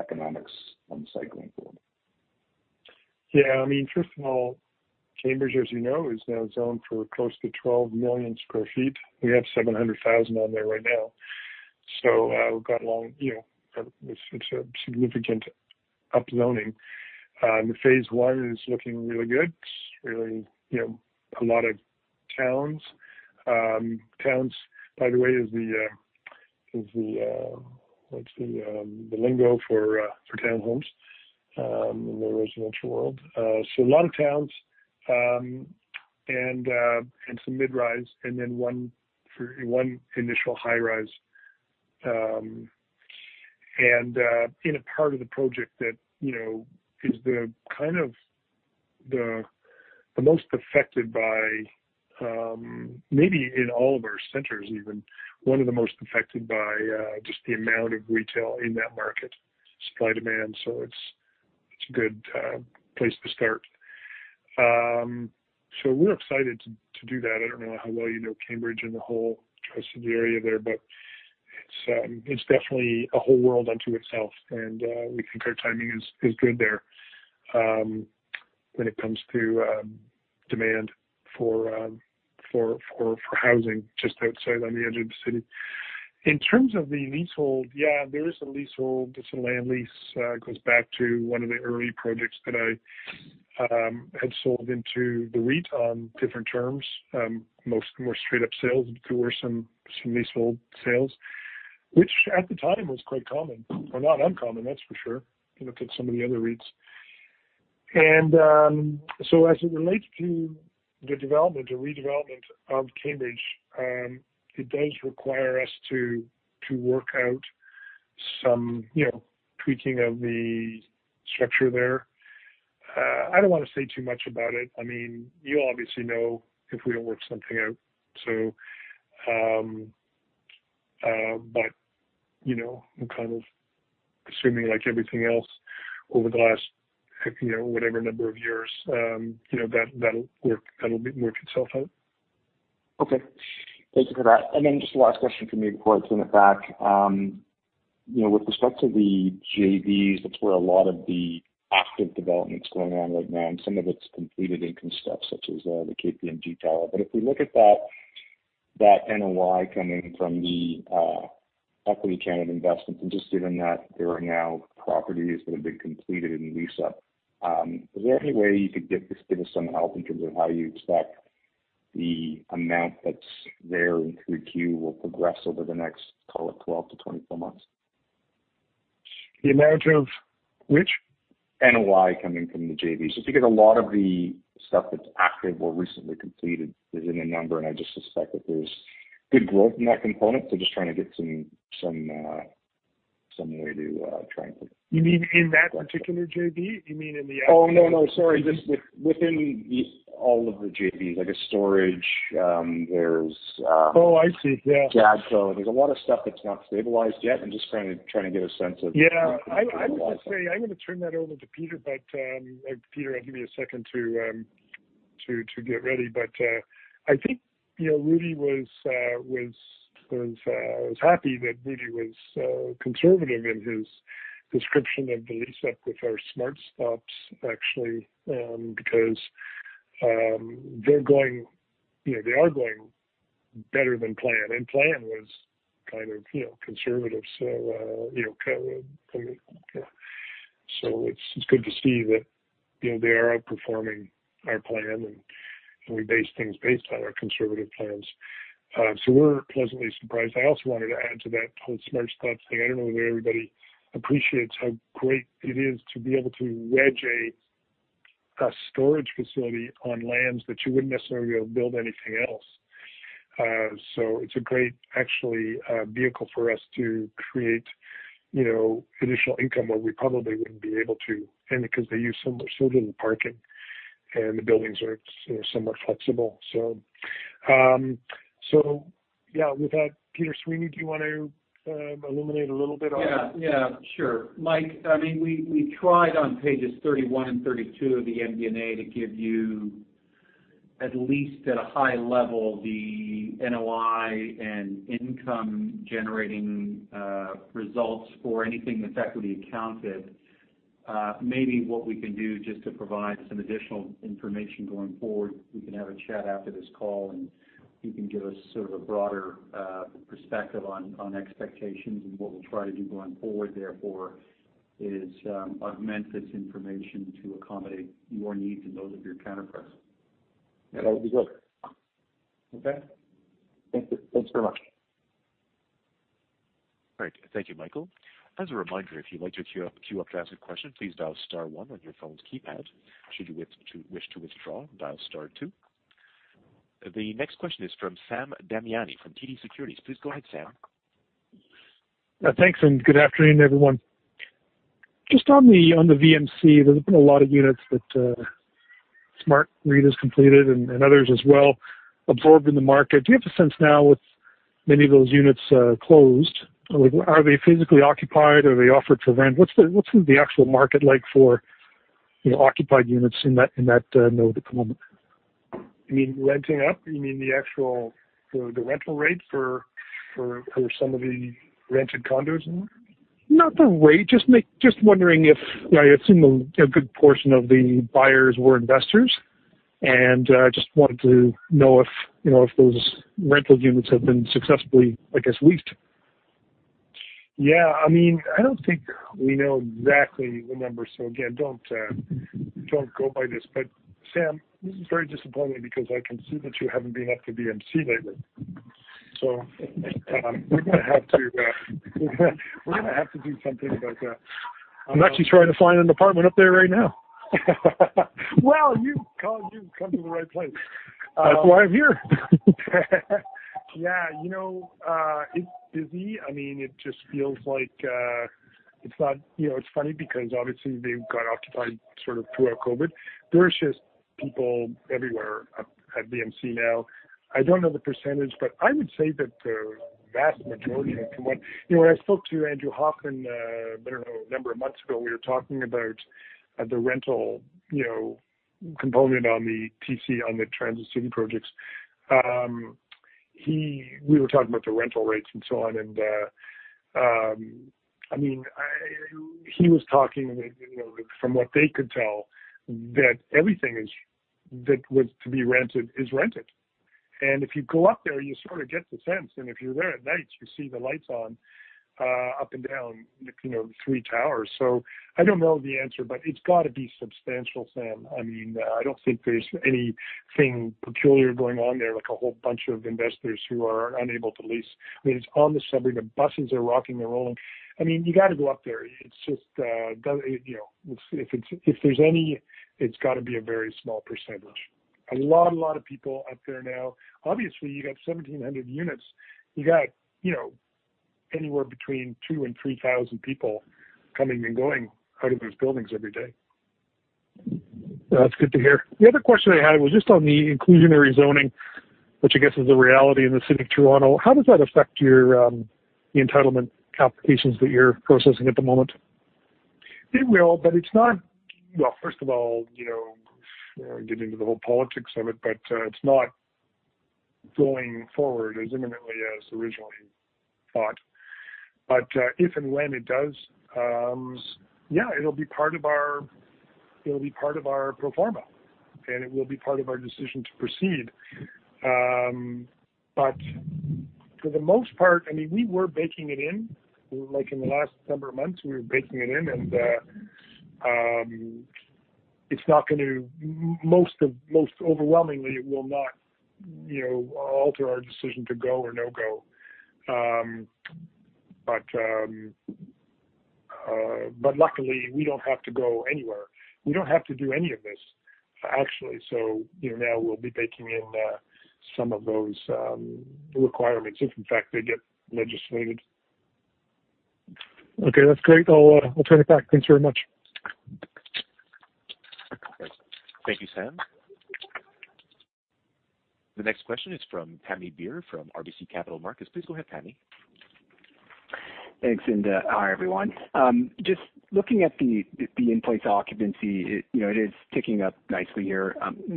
economics on the site going forward. Yeah. I mean, first of all, Cambridge, as you know, is now zoned for close to 12 million sq ft. We have 700,000 sq ft on there right now. We've got a long, you know, it's a significant up zoning. Phase one is looking really good. It's really, you know, a lot of towns. Towns, by the way, is the lingo for townhomes in the residential world. A lot of towns and some mid-rise and then one initial high-rise. In a part of the project that, you know, is kind of the most affected by, maybe in all of our centers even, one of the most affected by just the amount of retail in that market, supply-demand. It's a good place to start. We're excited to do that. I don't know how well you know Cambridge and the whole Tri-Cities area there, but it's definitely a whole world unto itself. We think our timing is good there, when it comes to demand for housing just outside on the edge of the city. In terms of the leasehold, yeah, there is a leasehold. It's a land lease, goes back to one of the early projects that I had sold into the REIT on different terms. Most more straight up sales. There were some leasehold sales, which at the time was quite common or not uncommon, that's for sure. You look at some of the other REITs. As it relates to the development or redevelopment of Cambridge, it does require us to work out some, you know, tweaking of the structure there. I don't wanna say too much about it. I mean, you obviously know if we don't work something out, but, you know, I'm kind of assuming like everything else over the last, you know, whatever number of years, you know, that'll work itself out. Okay. Thank you for that. Just the last question from me before I turn it back. You know, with respect to the JVs, that's where a lot of the active development is going on right now, and some of it's completed income stuff such as the KPMG tower. If we look at that NOI coming from the equity in Canada investments and just given that there are now properties that have been completed in lease-up, is there any way you could give us some help in terms of how you expect the amount that's there in Q3 will progress over the next, call it 12-24 months? The amount of which? NOI coming from the JV. Just because a lot of the stuff that's active or recently completed is in a number, and I just suspect that there's good growth in that component. Just trying to get some way to try and- You mean in that particular JV? Oh, no, sorry. Just within all of the JVs, like a storage, there's Oh, I see. Yeah. There's a lot of stuff that's not stabilized yet. I'm just trying to get a sense of- Yeah. I would just say I'm gonna turn that over to Peter, but Peter, give me a second to get ready. I think, you know, I was happy that Rudy was conservative in his description of the lease-up with our SmartStop, actually, because they're going, you know, they are going better than plan, and plan was kind of, you know, conservative. You know, so it's good to see that, you know, they are outperforming our plan, and we base things based on our conservative plans. We're pleasantly surprised. I also wanted to add to that whole SmartStop thing. I don't know whether everybody appreciates how great it is to be able to wedge a storage facility on lands that you wouldn't necessarily be able to build anything else. So it's a great, actually, vehicle for us to create, you know, additional income where we probably wouldn't be able to. Because they use so little parking and the buildings are somewhat flexible. So yeah, with that, Peter Sweeney, do you want to illuminate a little bit on- Sure. Mike, I mean, we tried on pages 31 and 32 of the MD&A to give you at least at a high level the NOI and income generating results for anything that's equity accounted. Maybe what we can do just to provide some additional information going forward, we can have a chat after this call and you can give us sort of a broader perspective on expectations. What we'll try to do going forward therefore is augment this information to accommodate your needs and those of your counterparts. That would be good. Okay. Thank you. Thanks very much. All right. Thank you, Michael. As a reminder, if you'd like to queue up to ask a question, please dial star one on your phone's keypad. Should you wish to withdraw, dial star two. The next question is from Sam Damiani from TD Securities. Please go ahead, Sam. Thanks, and good afternoon, everyone. Just on the VMC, there's been a lot of units that SmartCentres completed and others as well absorbed in the market. Do you have a sense now with many of those units closed? Like, are they physically occupied? Are they offered for rent? What's the actual market like for, you know, occupied units in that node at the moment? You mean renting out? You mean the actual rental rate for some of the rented condos in there? Not the rate. Just wondering if I assume a good portion of the buyers were investors, and just wanted to know if, you know, if those rental units have been successfully, I guess, leased. Yeah, I mean, I don't think we know exactly the numbers. Again, don't go by this. Sam, this is very disappointing because I can see that you haven't been up to VMC lately. We're gonna have to do something about that. I'm actually trying to find an apartment up there right now. Well, you've come to the right place. That's why I'm here. Yeah, you know, it's busy. I mean, it just feels like it's not. You know, it's funny because obviously they've got occupied sort of throughout COVID. There's just people everywhere up at VMC now. I don't know the percentage, but I would say that the vast majority of, you know, when I spoke to Andrew Hawken, I don't know, a number of months ago, we were talking about the rental, you know, component on the TC5, on the transit city projects. We were talking about the rental rates and so on. I mean, he was talking, you know, from what they could tell, that everything is, that was to be rented is rented. If you go up there, you sort of get the sense, and if you're there at night, you see the lights on, up and down, you know, the three towers. I don't know the answer, but it's gotta be substantial, Sam. I mean, I don't think there's anything peculiar going on there, like a whole bunch of investors who are unable to lease. I mean, it's on the subway. The buses are rocking and rolling. I mean, you gotta go up there. It's just, you know, if there's any, it's gotta be a very small percentage. A lot of people up there now. Obviously, you got 1,700 units. You got, you know, anywhere between 2,000 and 3,000 people coming and going out of those buildings every day. That's good to hear. The other question I had was just on the inclusionary zoning, which I guess is a reality in the city of Toronto. How does that affect your, the entitlement applications that you're processing at the moment? It will, but it's not. Well, first of all, you know, getting into the whole politics of it's not going forward as imminently as originally thought. If and when it does, yeah, it'll be part of our pro forma, and it will be part of our decision to proceed. For the most part, I mean, we were baking it in, like, in the last number of months, and most overwhelmingly, it will not, you know, alter our decision to go or no go. Luckily, we don't have to go anywhere. We don't have to do any of this, actually. You know, now we'll be baking in some of those requirements if in fact they get legislated. Okay, that's great. I'll turn it back. Thanks very much. Thank you, Sam. The next question is from Pammi Bir from RBC Capital Markets. Please go ahead, Pammi. Thanks, and hi, everyone. Just looking at the in-place occupancy, you know, it is ticking up nicely here.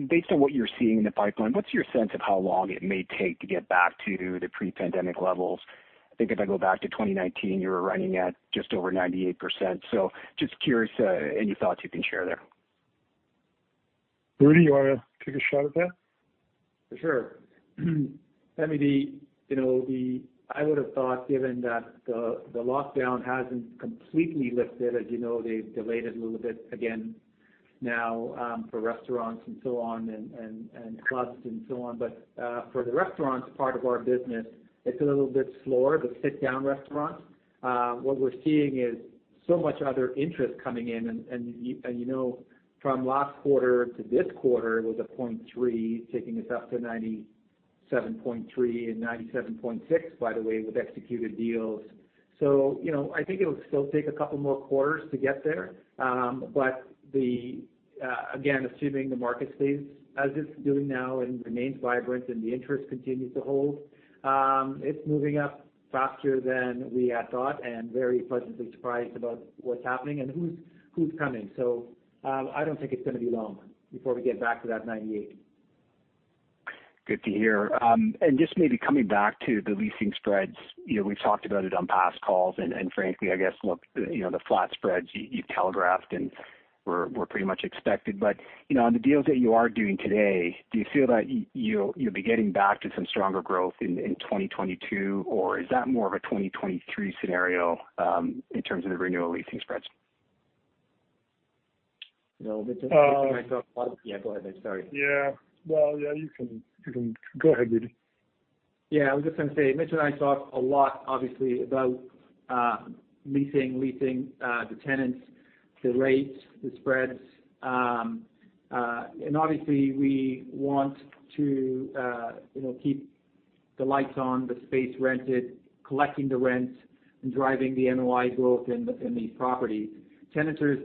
Based on what you're seeing in the pipeline, what's your sense of how long it may take to get back to the pre-pandemic levels? I think if I go back to 2019, you were running at just over 98%. Just curious, any thoughts you can share there. Rudy, you want to take a shot at that? For sure. Pammi, I would have thought given that the lockdown hasn't completely lifted, as you know, they've delayed it a little bit again now, for restaurants and so on, and clubs and so on. For the restaurants part of our business, it's a little bit slower, the sit-down restaurants. What we're seeing is so much other interest coming in. You know, from last quarter to this quarter, it was 0.3%, taking us up to 97.3% and 97.6%, by the way, with executed deals. I think it will still take a couple more quarters to get there. Again, assuming the market stays as it's doing now and remains vibrant and the interest continues to hold, it's moving up faster than we had thought and very pleasantly surprised about what's happening and who's coming. I don't think it's going to be long before we get back to that 98%. Good to hear. Just maybe coming back to the leasing spreads, you know, we've talked about it on past calls, and frankly, I guess, look, you know, the flat spreads you telegraphed and were pretty much expected. You know, on the deals that you are doing today, do you feel that you'll be getting back to some stronger growth in 2022, or is that more of a 2023 scenario, in terms of the renewal leasing spreads? You know, Mitch and I talk a lot. Um. Yeah, go ahead, Mitch. Sorry. Yeah. Well, yeah, you can go ahead, Rudy. Yeah, I was just going to say, Mitch and I talk a lot, obviously, about leasing, the tenants, the rates, the spreads. Obviously, we want to, you know, keep the lights on, the space rented, collecting the rent, and driving the NOI growth in these properties. Tenants are,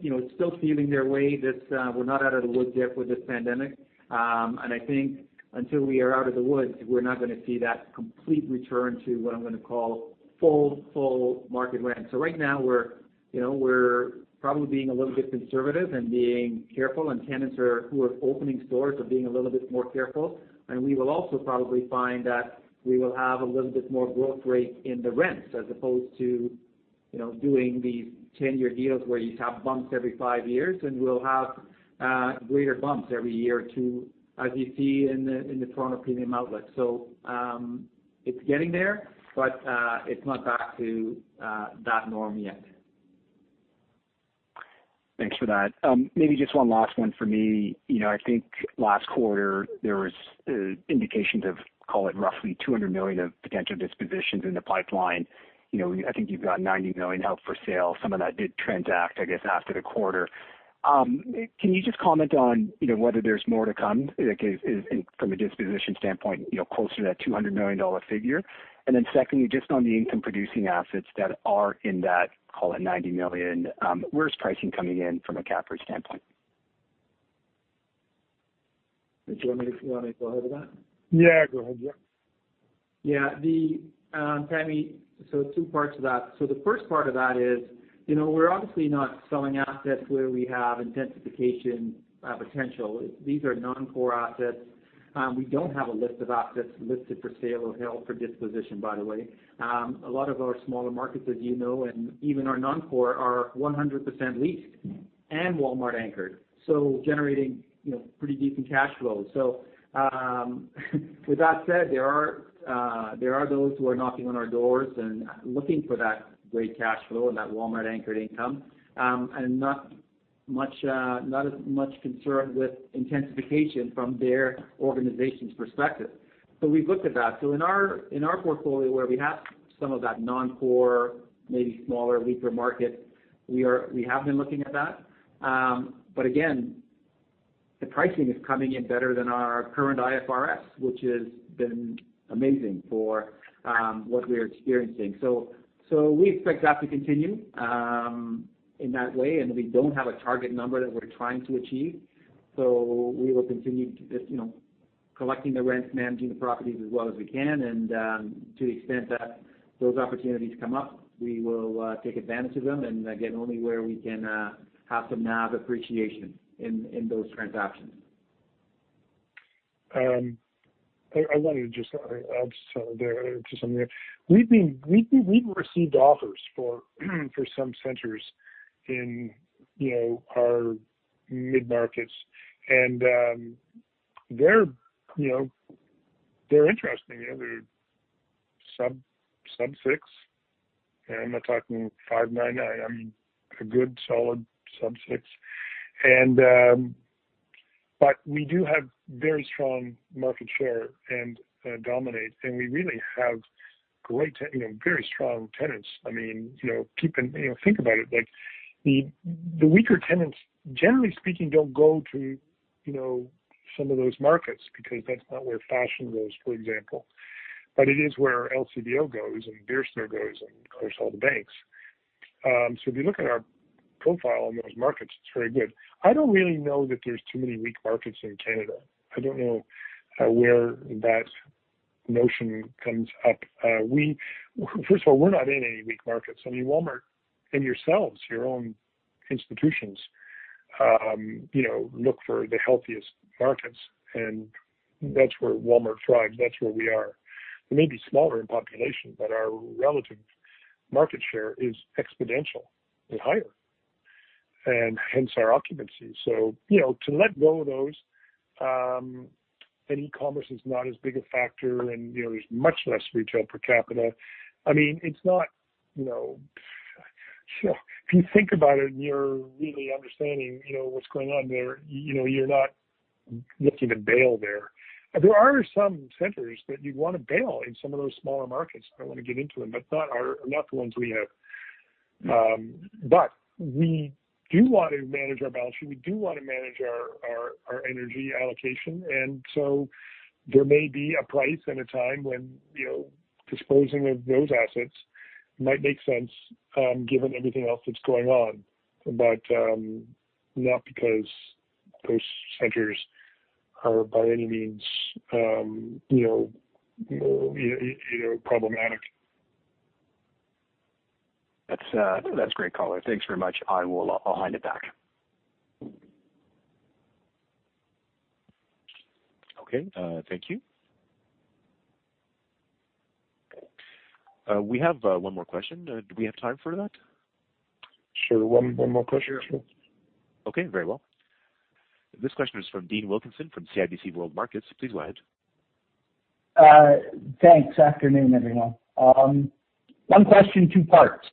you know, still feeling their way. This, we're not out of the woods yet with this pandemic. I think until we are out of the woods, we're not going to see that complete return to what I'm going to call full market rent. So right now we're, you know, we're probably being a little bit conservative and being careful, and tenants who are opening stores are being a little bit more careful. We will also probably find that we will have a little bit more growth rate in the rents as opposed to, you know, doing these 10-year deals where you have bumps every five years, and we'll have greater bumps every year or two, as you see in the Toronto Premium Outlet. It's getting there, but it's not back to that norm yet. Thanks for that. Maybe just one last one for me. You know, I think last quarter, there was indications of, call it, roughly 200 million of potential dispositions in the pipeline. You know, I think you've got 90 million out for sale. Some of that did transact, I guess, after the quarter. Can you just comment on, you know, whether there's more to come, like, is from a disposition standpoint, you know, closer to that 200 million dollar figure? Secondly, just on the income producing assets that are in that, call it 90 million, where's pricing coming in from a cap rate standpoint? Mitch, do you want me to go ahead with that? Yeah, go ahead. Yeah. Yeah. The, Pammi, two parts to that. The first part of that is, you know, we're obviously not selling assets where we have intensification potential. These are non-core assets. We don't have a list of assets listed for sale or held for disposition, by the way. A lot of our smaller markets, as you know, and even our non-core are 100% leased and Walmart anchored, so generating, you know, pretty decent cash flow. With that said, there are those who are knocking on our doors and looking for that great cash flow and that Walmart anchored income, and not as much concerned with intensification from their organization's perspective. We've looked at that. In our portfolio where we have some of that non-core, maybe smaller weaker markets. We have been looking at that. But again, the pricing is coming in better than our current IFRS, which has been amazing for what we're experiencing. We expect that to continue in that way, and we don't have a target number that we're trying to achieve. We will continue to just, you know, collecting the rents, managing the properties as well as we can. To the extent that those opportunities come up, we will take advantage of them. Again, only where we can have some NAV appreciation in those transactions. I wanted to just add something there. We've received offers for some centers in, you know, our mid-markets. They're interesting. You know, they're sub six. I'm not talking 5.99. I mean, a good solid sub six. But we do have very strong market share and dominate. We really have great tenants. You know, very strong tenants. I mean, you know, think about it. Like, the weaker tenants, generally speaking, don't go to, you know, some of those markets because that's not where fashion goes, for example. But it is where LCBO goes and The Beer Store goes and of course, all the banks. So if you look at our profile in those markets, it's very good. I don't really know that there's too many weak markets in Canada. I don't know where that notion comes up. First of all, we're not in any weak markets. I mean, Walmart and yourselves, your own institutions, you know, look for the healthiest markets. That's where Walmart thrives. That's where we are. We may be smaller in population, but our relative market share is exponential and higher, and hence our occupancy. You know, to let go of those, and e-commerce is not as big a factor and, you know, there's much less retail per capita. I mean, it's not, you know. If you think about it and you're really understanding, you know, what's going on there, you know, you're not looking to bail there. There are some centers that you'd want to bail in some of those smaller markets. I don't want to get into them, but not the ones we have. We do want to manage our balance sheet. We do want to manage our energy allocation. There may be a price and a time when, you know, disposing of those assets might make sense, given everything else that's going on. Not because those centers are by any means, you know, problematic. That's great, color. Thanks very much. I'll hand it back. Okay. Thank you. We have one more question. Do we have time for that? Sure. One more question. Okay. Very well. This question is from Dean Wilkinson from CIBC World Markets. Please go ahead. Thanks. Afternoon, everyone. One question, two parts.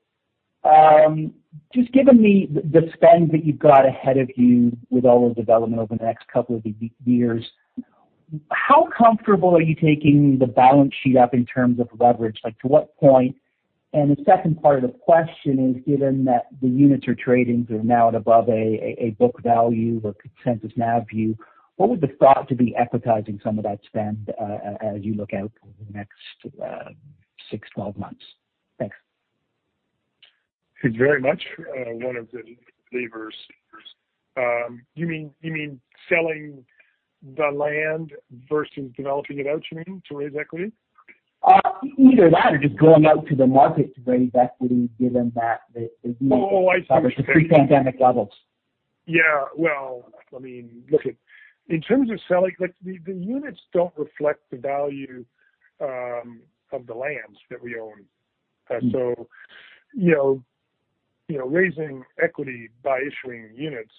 Just given the spend that you've got ahead of you with all the development over the next couple of years, how comfortable are you taking the balance sheet up in terms of leverage? Like, to what point? The second part of the question is, given that the units you're trading are now at above a book value or consensus NAV view, what would the thought to be equitizing some of that spend, as you look out over the next six, 12 months? Thanks. It's very much one of the levers. You mean selling the land versus developing it out, you mean, to raise equity? Either that or just going out to the market to raise equity given that the Oh, I see. The pre-pandemic levels. Yeah. Well, I mean, lookit, in terms of selling, like, the units don't reflect the value of the lands that we own. So, you know, raising equity by issuing units,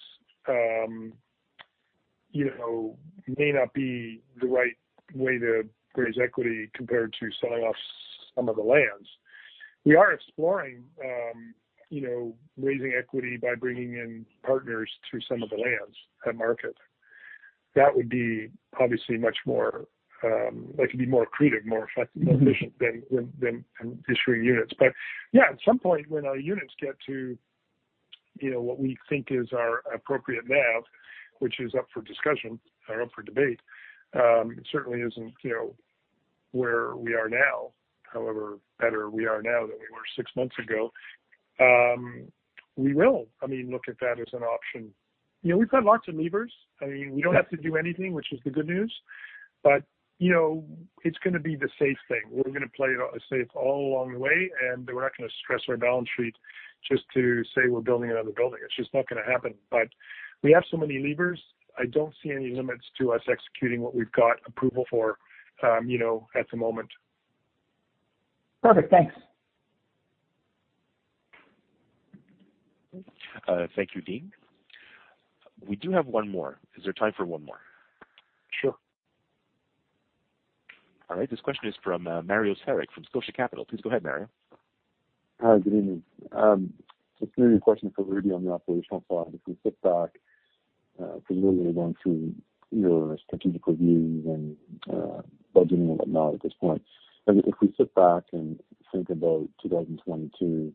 you know, may not be the right way to raise equity compared to selling off some of the lands. We are exploring, you know, raising equity by bringing in partners through some of the lands at market. That would be obviously much more, that could be more accretive, more effec- Mm-hmm. More efficient than issuing units. Yeah, at some point, when our units get to, you know, what we think is our appropriate NAV, which is up for discussion or up for debate, it certainly isn't, you know, where we are now, however better we are now than we were six months ago, we will, I mean, look at that as an option. You know, we've got lots of levers. I mean, we don't have to do anything, which is the good news. You know, it's gonna be the safe thing. We're gonna play it safe all along the way, and we're not gonna stress our balance sheet just to say we're building another building. It's just not gonna happen. We have so many levers. I don't see any limits to us executing what we've got approval for, you know, at the moment. Perfect. Thanks. Thank you, Dean. We do have one more. Is there time for one more? Sure. All right. This question is from, Mario Saric from Scotiabank. Please go ahead, Mario. Hi. Good evening. Just maybe a question for Rudy on the operational side. If we sit back 'cause we're really going through your strategic reviews and budgeting and whatnot at this point. If we sit back and think about 2022,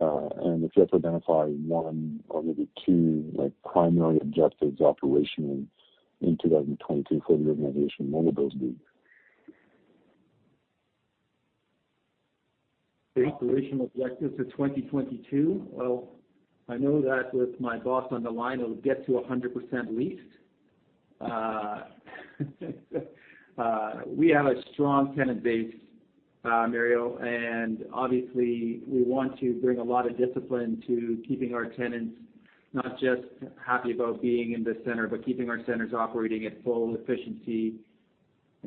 and if you had to identify one or maybe two, like, primary objectives operationally in 2022 for the organization, what would those be? Operational objectives of 2022? Well, I know that with my boss on the line, it'll get to 100% leased. We have a strong tenant base, Mario, and obviously we want to bring a lot of discipline to keeping our tenants not just happy about being in the center, but keeping our centers operating at full efficiency and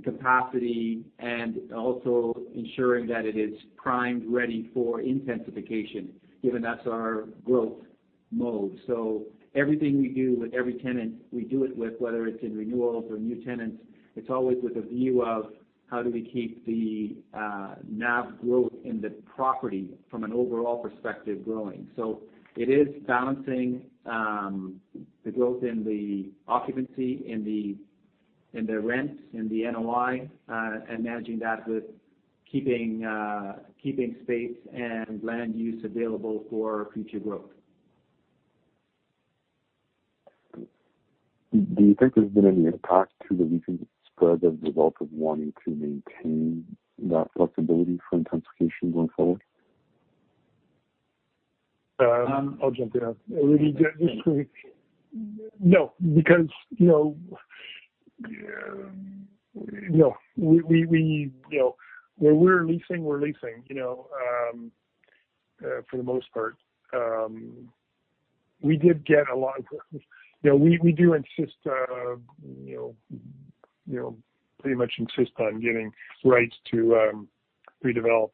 capacity, and also ensuring that it is primed, ready for intensification, given that's our growth mode. Everything we do with every tenant, we do it with, whether it's in renewals or new tenants, it's always with a view of how do we keep the NAV growth in the property from an overall perspective growing. It is balancing the growth in the occupancy, in the rents, in the NOI, and managing that with keeping space and land use available for future growth. Do you think there's been any impact to the recent spread as a result of wanting to maintain that flexibility for intensification going forward? I'll jump in. No, because you know where we're leasing for the most part. We do pretty much insist on getting rights to redevelop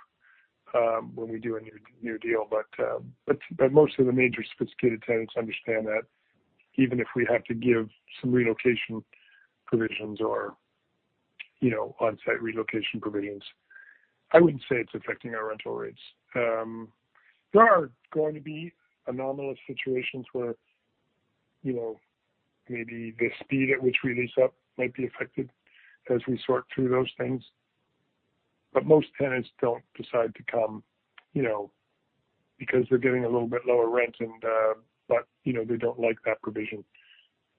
when we do a new deal. Most of the major sophisticated tenants understand that even if we have to give some relocation provisions or you know on-site relocation provisions, I wouldn't say it's affecting our rental rates. There are going to be anomalous situations where you know maybe the speed at which we lease up might be affected as we sort through those things. Most tenants don't decide to come, you know, because they're getting a little bit lower rent and, you know, they don't like that provision.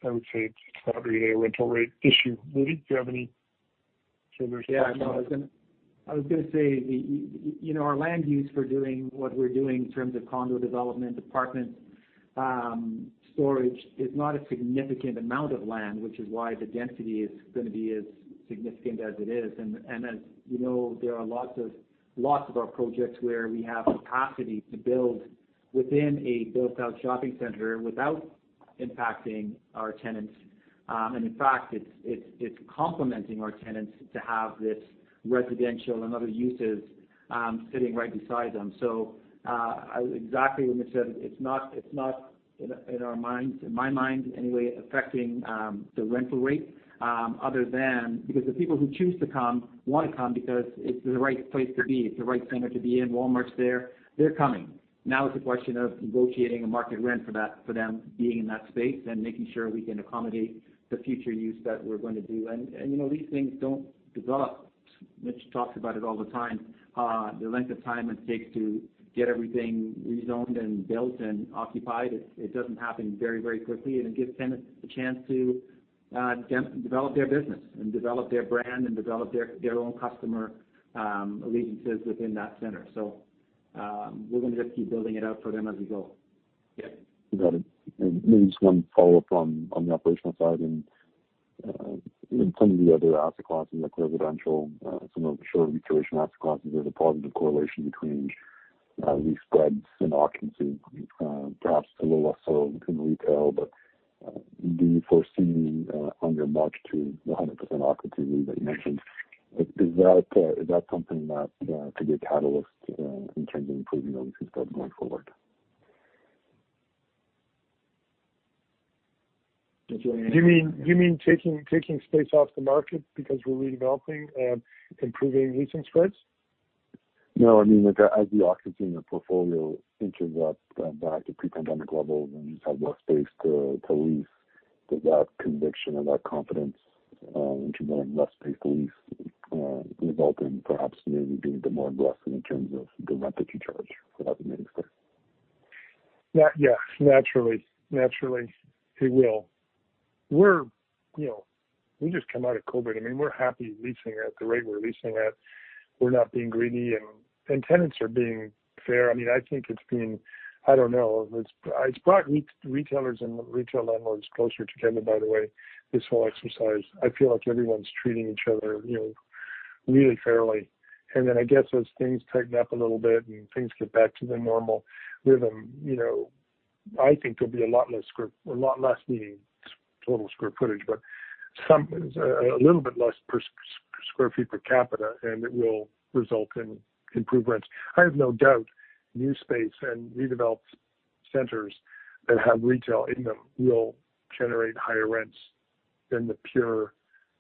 I would say it's not really a rental rate issue. Rudy, do you have any further thoughts? Yeah. No, I was gonna say you know, our land use for doing what we're doing in terms of condo development, apartment, storage is not a significant amount of land, which is why the density is gonna be as significant as it is. As you know, there are lots of our projects where we have capacity to build within a built out shopping center without impacting our tenants. In fact, it's complementing our tenants to have this residential and other uses sitting right beside them. Exactly what Mitch said, it's not in our minds, in my mind anyway, affecting the rental rate other than because the people who choose to come wanna come because it's the right place to be. It's the right center to be in. Walmart's there. They're coming. Now, it's a question of negotiating a market rent for that, for them being in that space and making sure we can accommodate the future use that we're going to do. You know, these things don't develop. Mitch talks about it all the time. The length of time it takes to get everything rezoned and built and occupied, it doesn't happen very quickly. It gives tenants a chance to de-develop their business and develop their brand and develop their own customer allegiances within that center. We're gonna just keep building it out for them as we go. Yeah. Got it. Maybe just one follow-up from on the operational side. In some of the other asset classes, like residential, some of the shorter duration asset classes, there's a positive correlation between these spreads in occupancy, perhaps a little less so in retail. Do you foresee on your march to the 100% occupancy that you mentioned, is that something that could be a catalyst in terms of improving leasing spreads going forward? Do you want me to- Do you mean taking space off the market because we're redeveloping, improving leasing spreads? No. I mean, like as you're occupying the portfolio into that back to pre-pandemic levels and you just have less space to lease. Does that conviction or that confidence into having less space to lease result in perhaps maybe being more aggressive in terms of the rent that you charge? If that makes sense. Yeah. Naturally it will. We're, you know, we just come out of COVID. I mean, we're happy leasing at the rate we're leasing at. We're not being greedy, and tenants are being fair. I mean, I think it's been, I don't know. It's brought retailers and retail landlords closer together, by the way, this whole exercise. I feel like everyone's treating each other, you know, really fairly. I guess as things tighten up a little bit and things get back to the normal rhythm, you know, I think there'll be a lot less needing total square footage, but a little bit less per square feet per capita, and it will result in improved rents. I have no doubt new space and redeveloped centers that have retail in them will generate higher rents than the pure,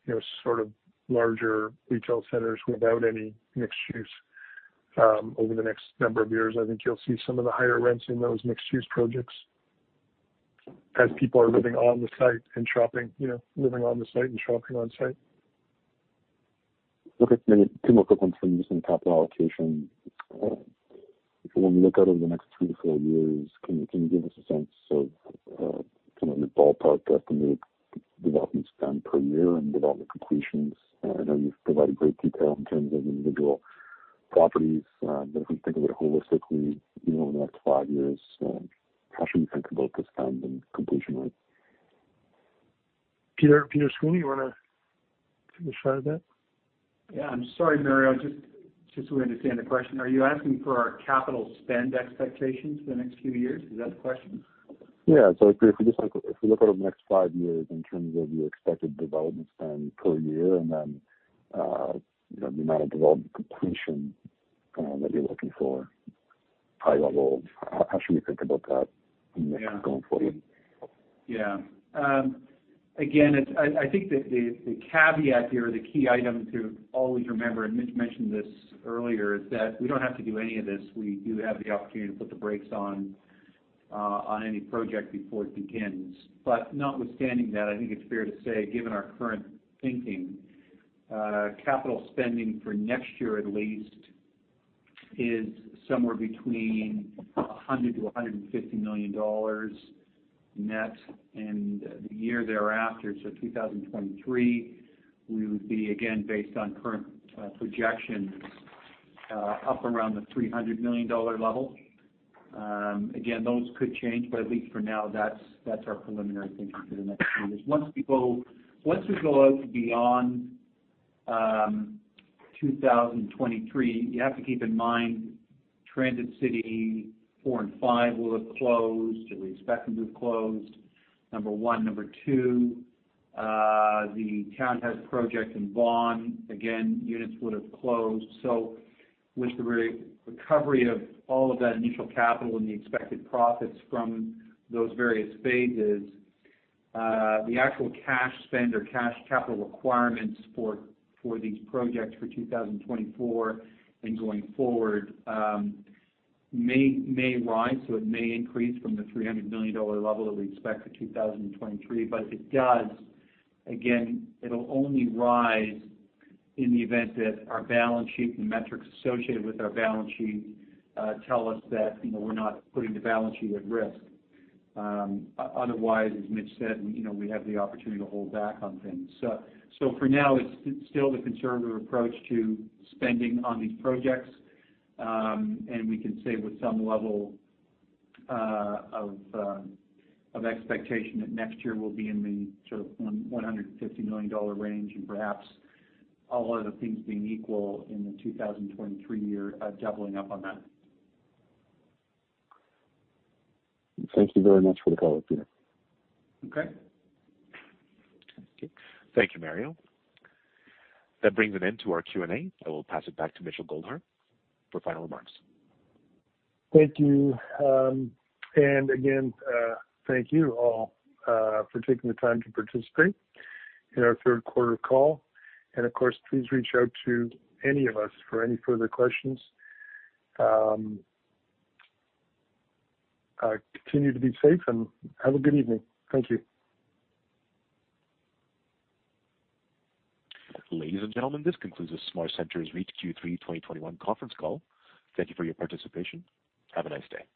you know, sort of larger retail centers without any mixed use. Over the next number of years, I think you'll see some of the higher rents in those mixed-use projects as people are living on the site and shopping on site. Okay. Maybe two more quick ones for you just on capital allocation. All right. If you want to look out over the next three to four years, can you give us a sense of kind of the ballpark estimate development spend per year and development completions? I know you've provided great detail in terms of individual properties, but if we think of it holistically, you know, over the next five years, how should we think about the spend and completion rate? Peter Sweeney, you wanna take a shot at that? Yeah. I'm sorry, Mario. Just so we understand the question, are you asking for our capital spend expectations for the next few years? Is that the question? If we look over the next five years in terms of your expected development spend per year and then the amount of development completion that you're looking for high level, how should we think about that in the Yeah. going forward? Yeah. Again, I think the caveat here or the key item to always remember, and Mitch mentioned this earlier, is that we don't have to do any of this. We do have the opportunity to put the brakes on any project before it begins. Notwithstanding that, I think it's fair to say, given our current thinking, capital spending for next year at least is somewhere between 100-150 million dollars net. The year thereafter, so 2023, we would be, again, based on current projections, up around the 300 million dollar level. Again, those could change, but at least for now, that's our preliminary thinking for the next two years. Once we go out beyond 2023, you have to keep in mind Transit City 4 and 5 will have closed, or we expect them to have closed, number one. Number two, the Townhouse project in Vaughan, again, units would've closed. With the recovery of all of that initial capital and the expected profits from those various phases, the actual cash spend or cash capital requirements for these projects for 2024 and going forward may rise. It may increase from the 300 million dollar level that we expect for 2023. If it does, again, it'll only rise in the event that our balance sheet and the metrics associated with our balance sheet tell us that, you know, we're not putting the balance sheet at risk. Otherwise, as Mitch said, you know, we have the opportunity to hold back on things. For now, it's still the conservative approach to spending on these projects. We can say with some level of expectation that next year will be in the sort of 150 million dollar range, and perhaps all other things being equal in the 2023 year, doubling up on that. Thank you very much for the color, Peter. Okay. Thank you, Mario. That brings an end to our Q&A. I will pass it back to Mitchell Goldhar for final remarks. Thank you. Again, thank you all for taking the time to participate in our third quarter call. Of course, please reach out to any of us for any further questions. Continue to be safe and have a good evening. Thank you. Ladies and gentlemen, this concludes the SmartCentres REIT Q3 2021 conference call. Thank you for your participation. Have a nice day.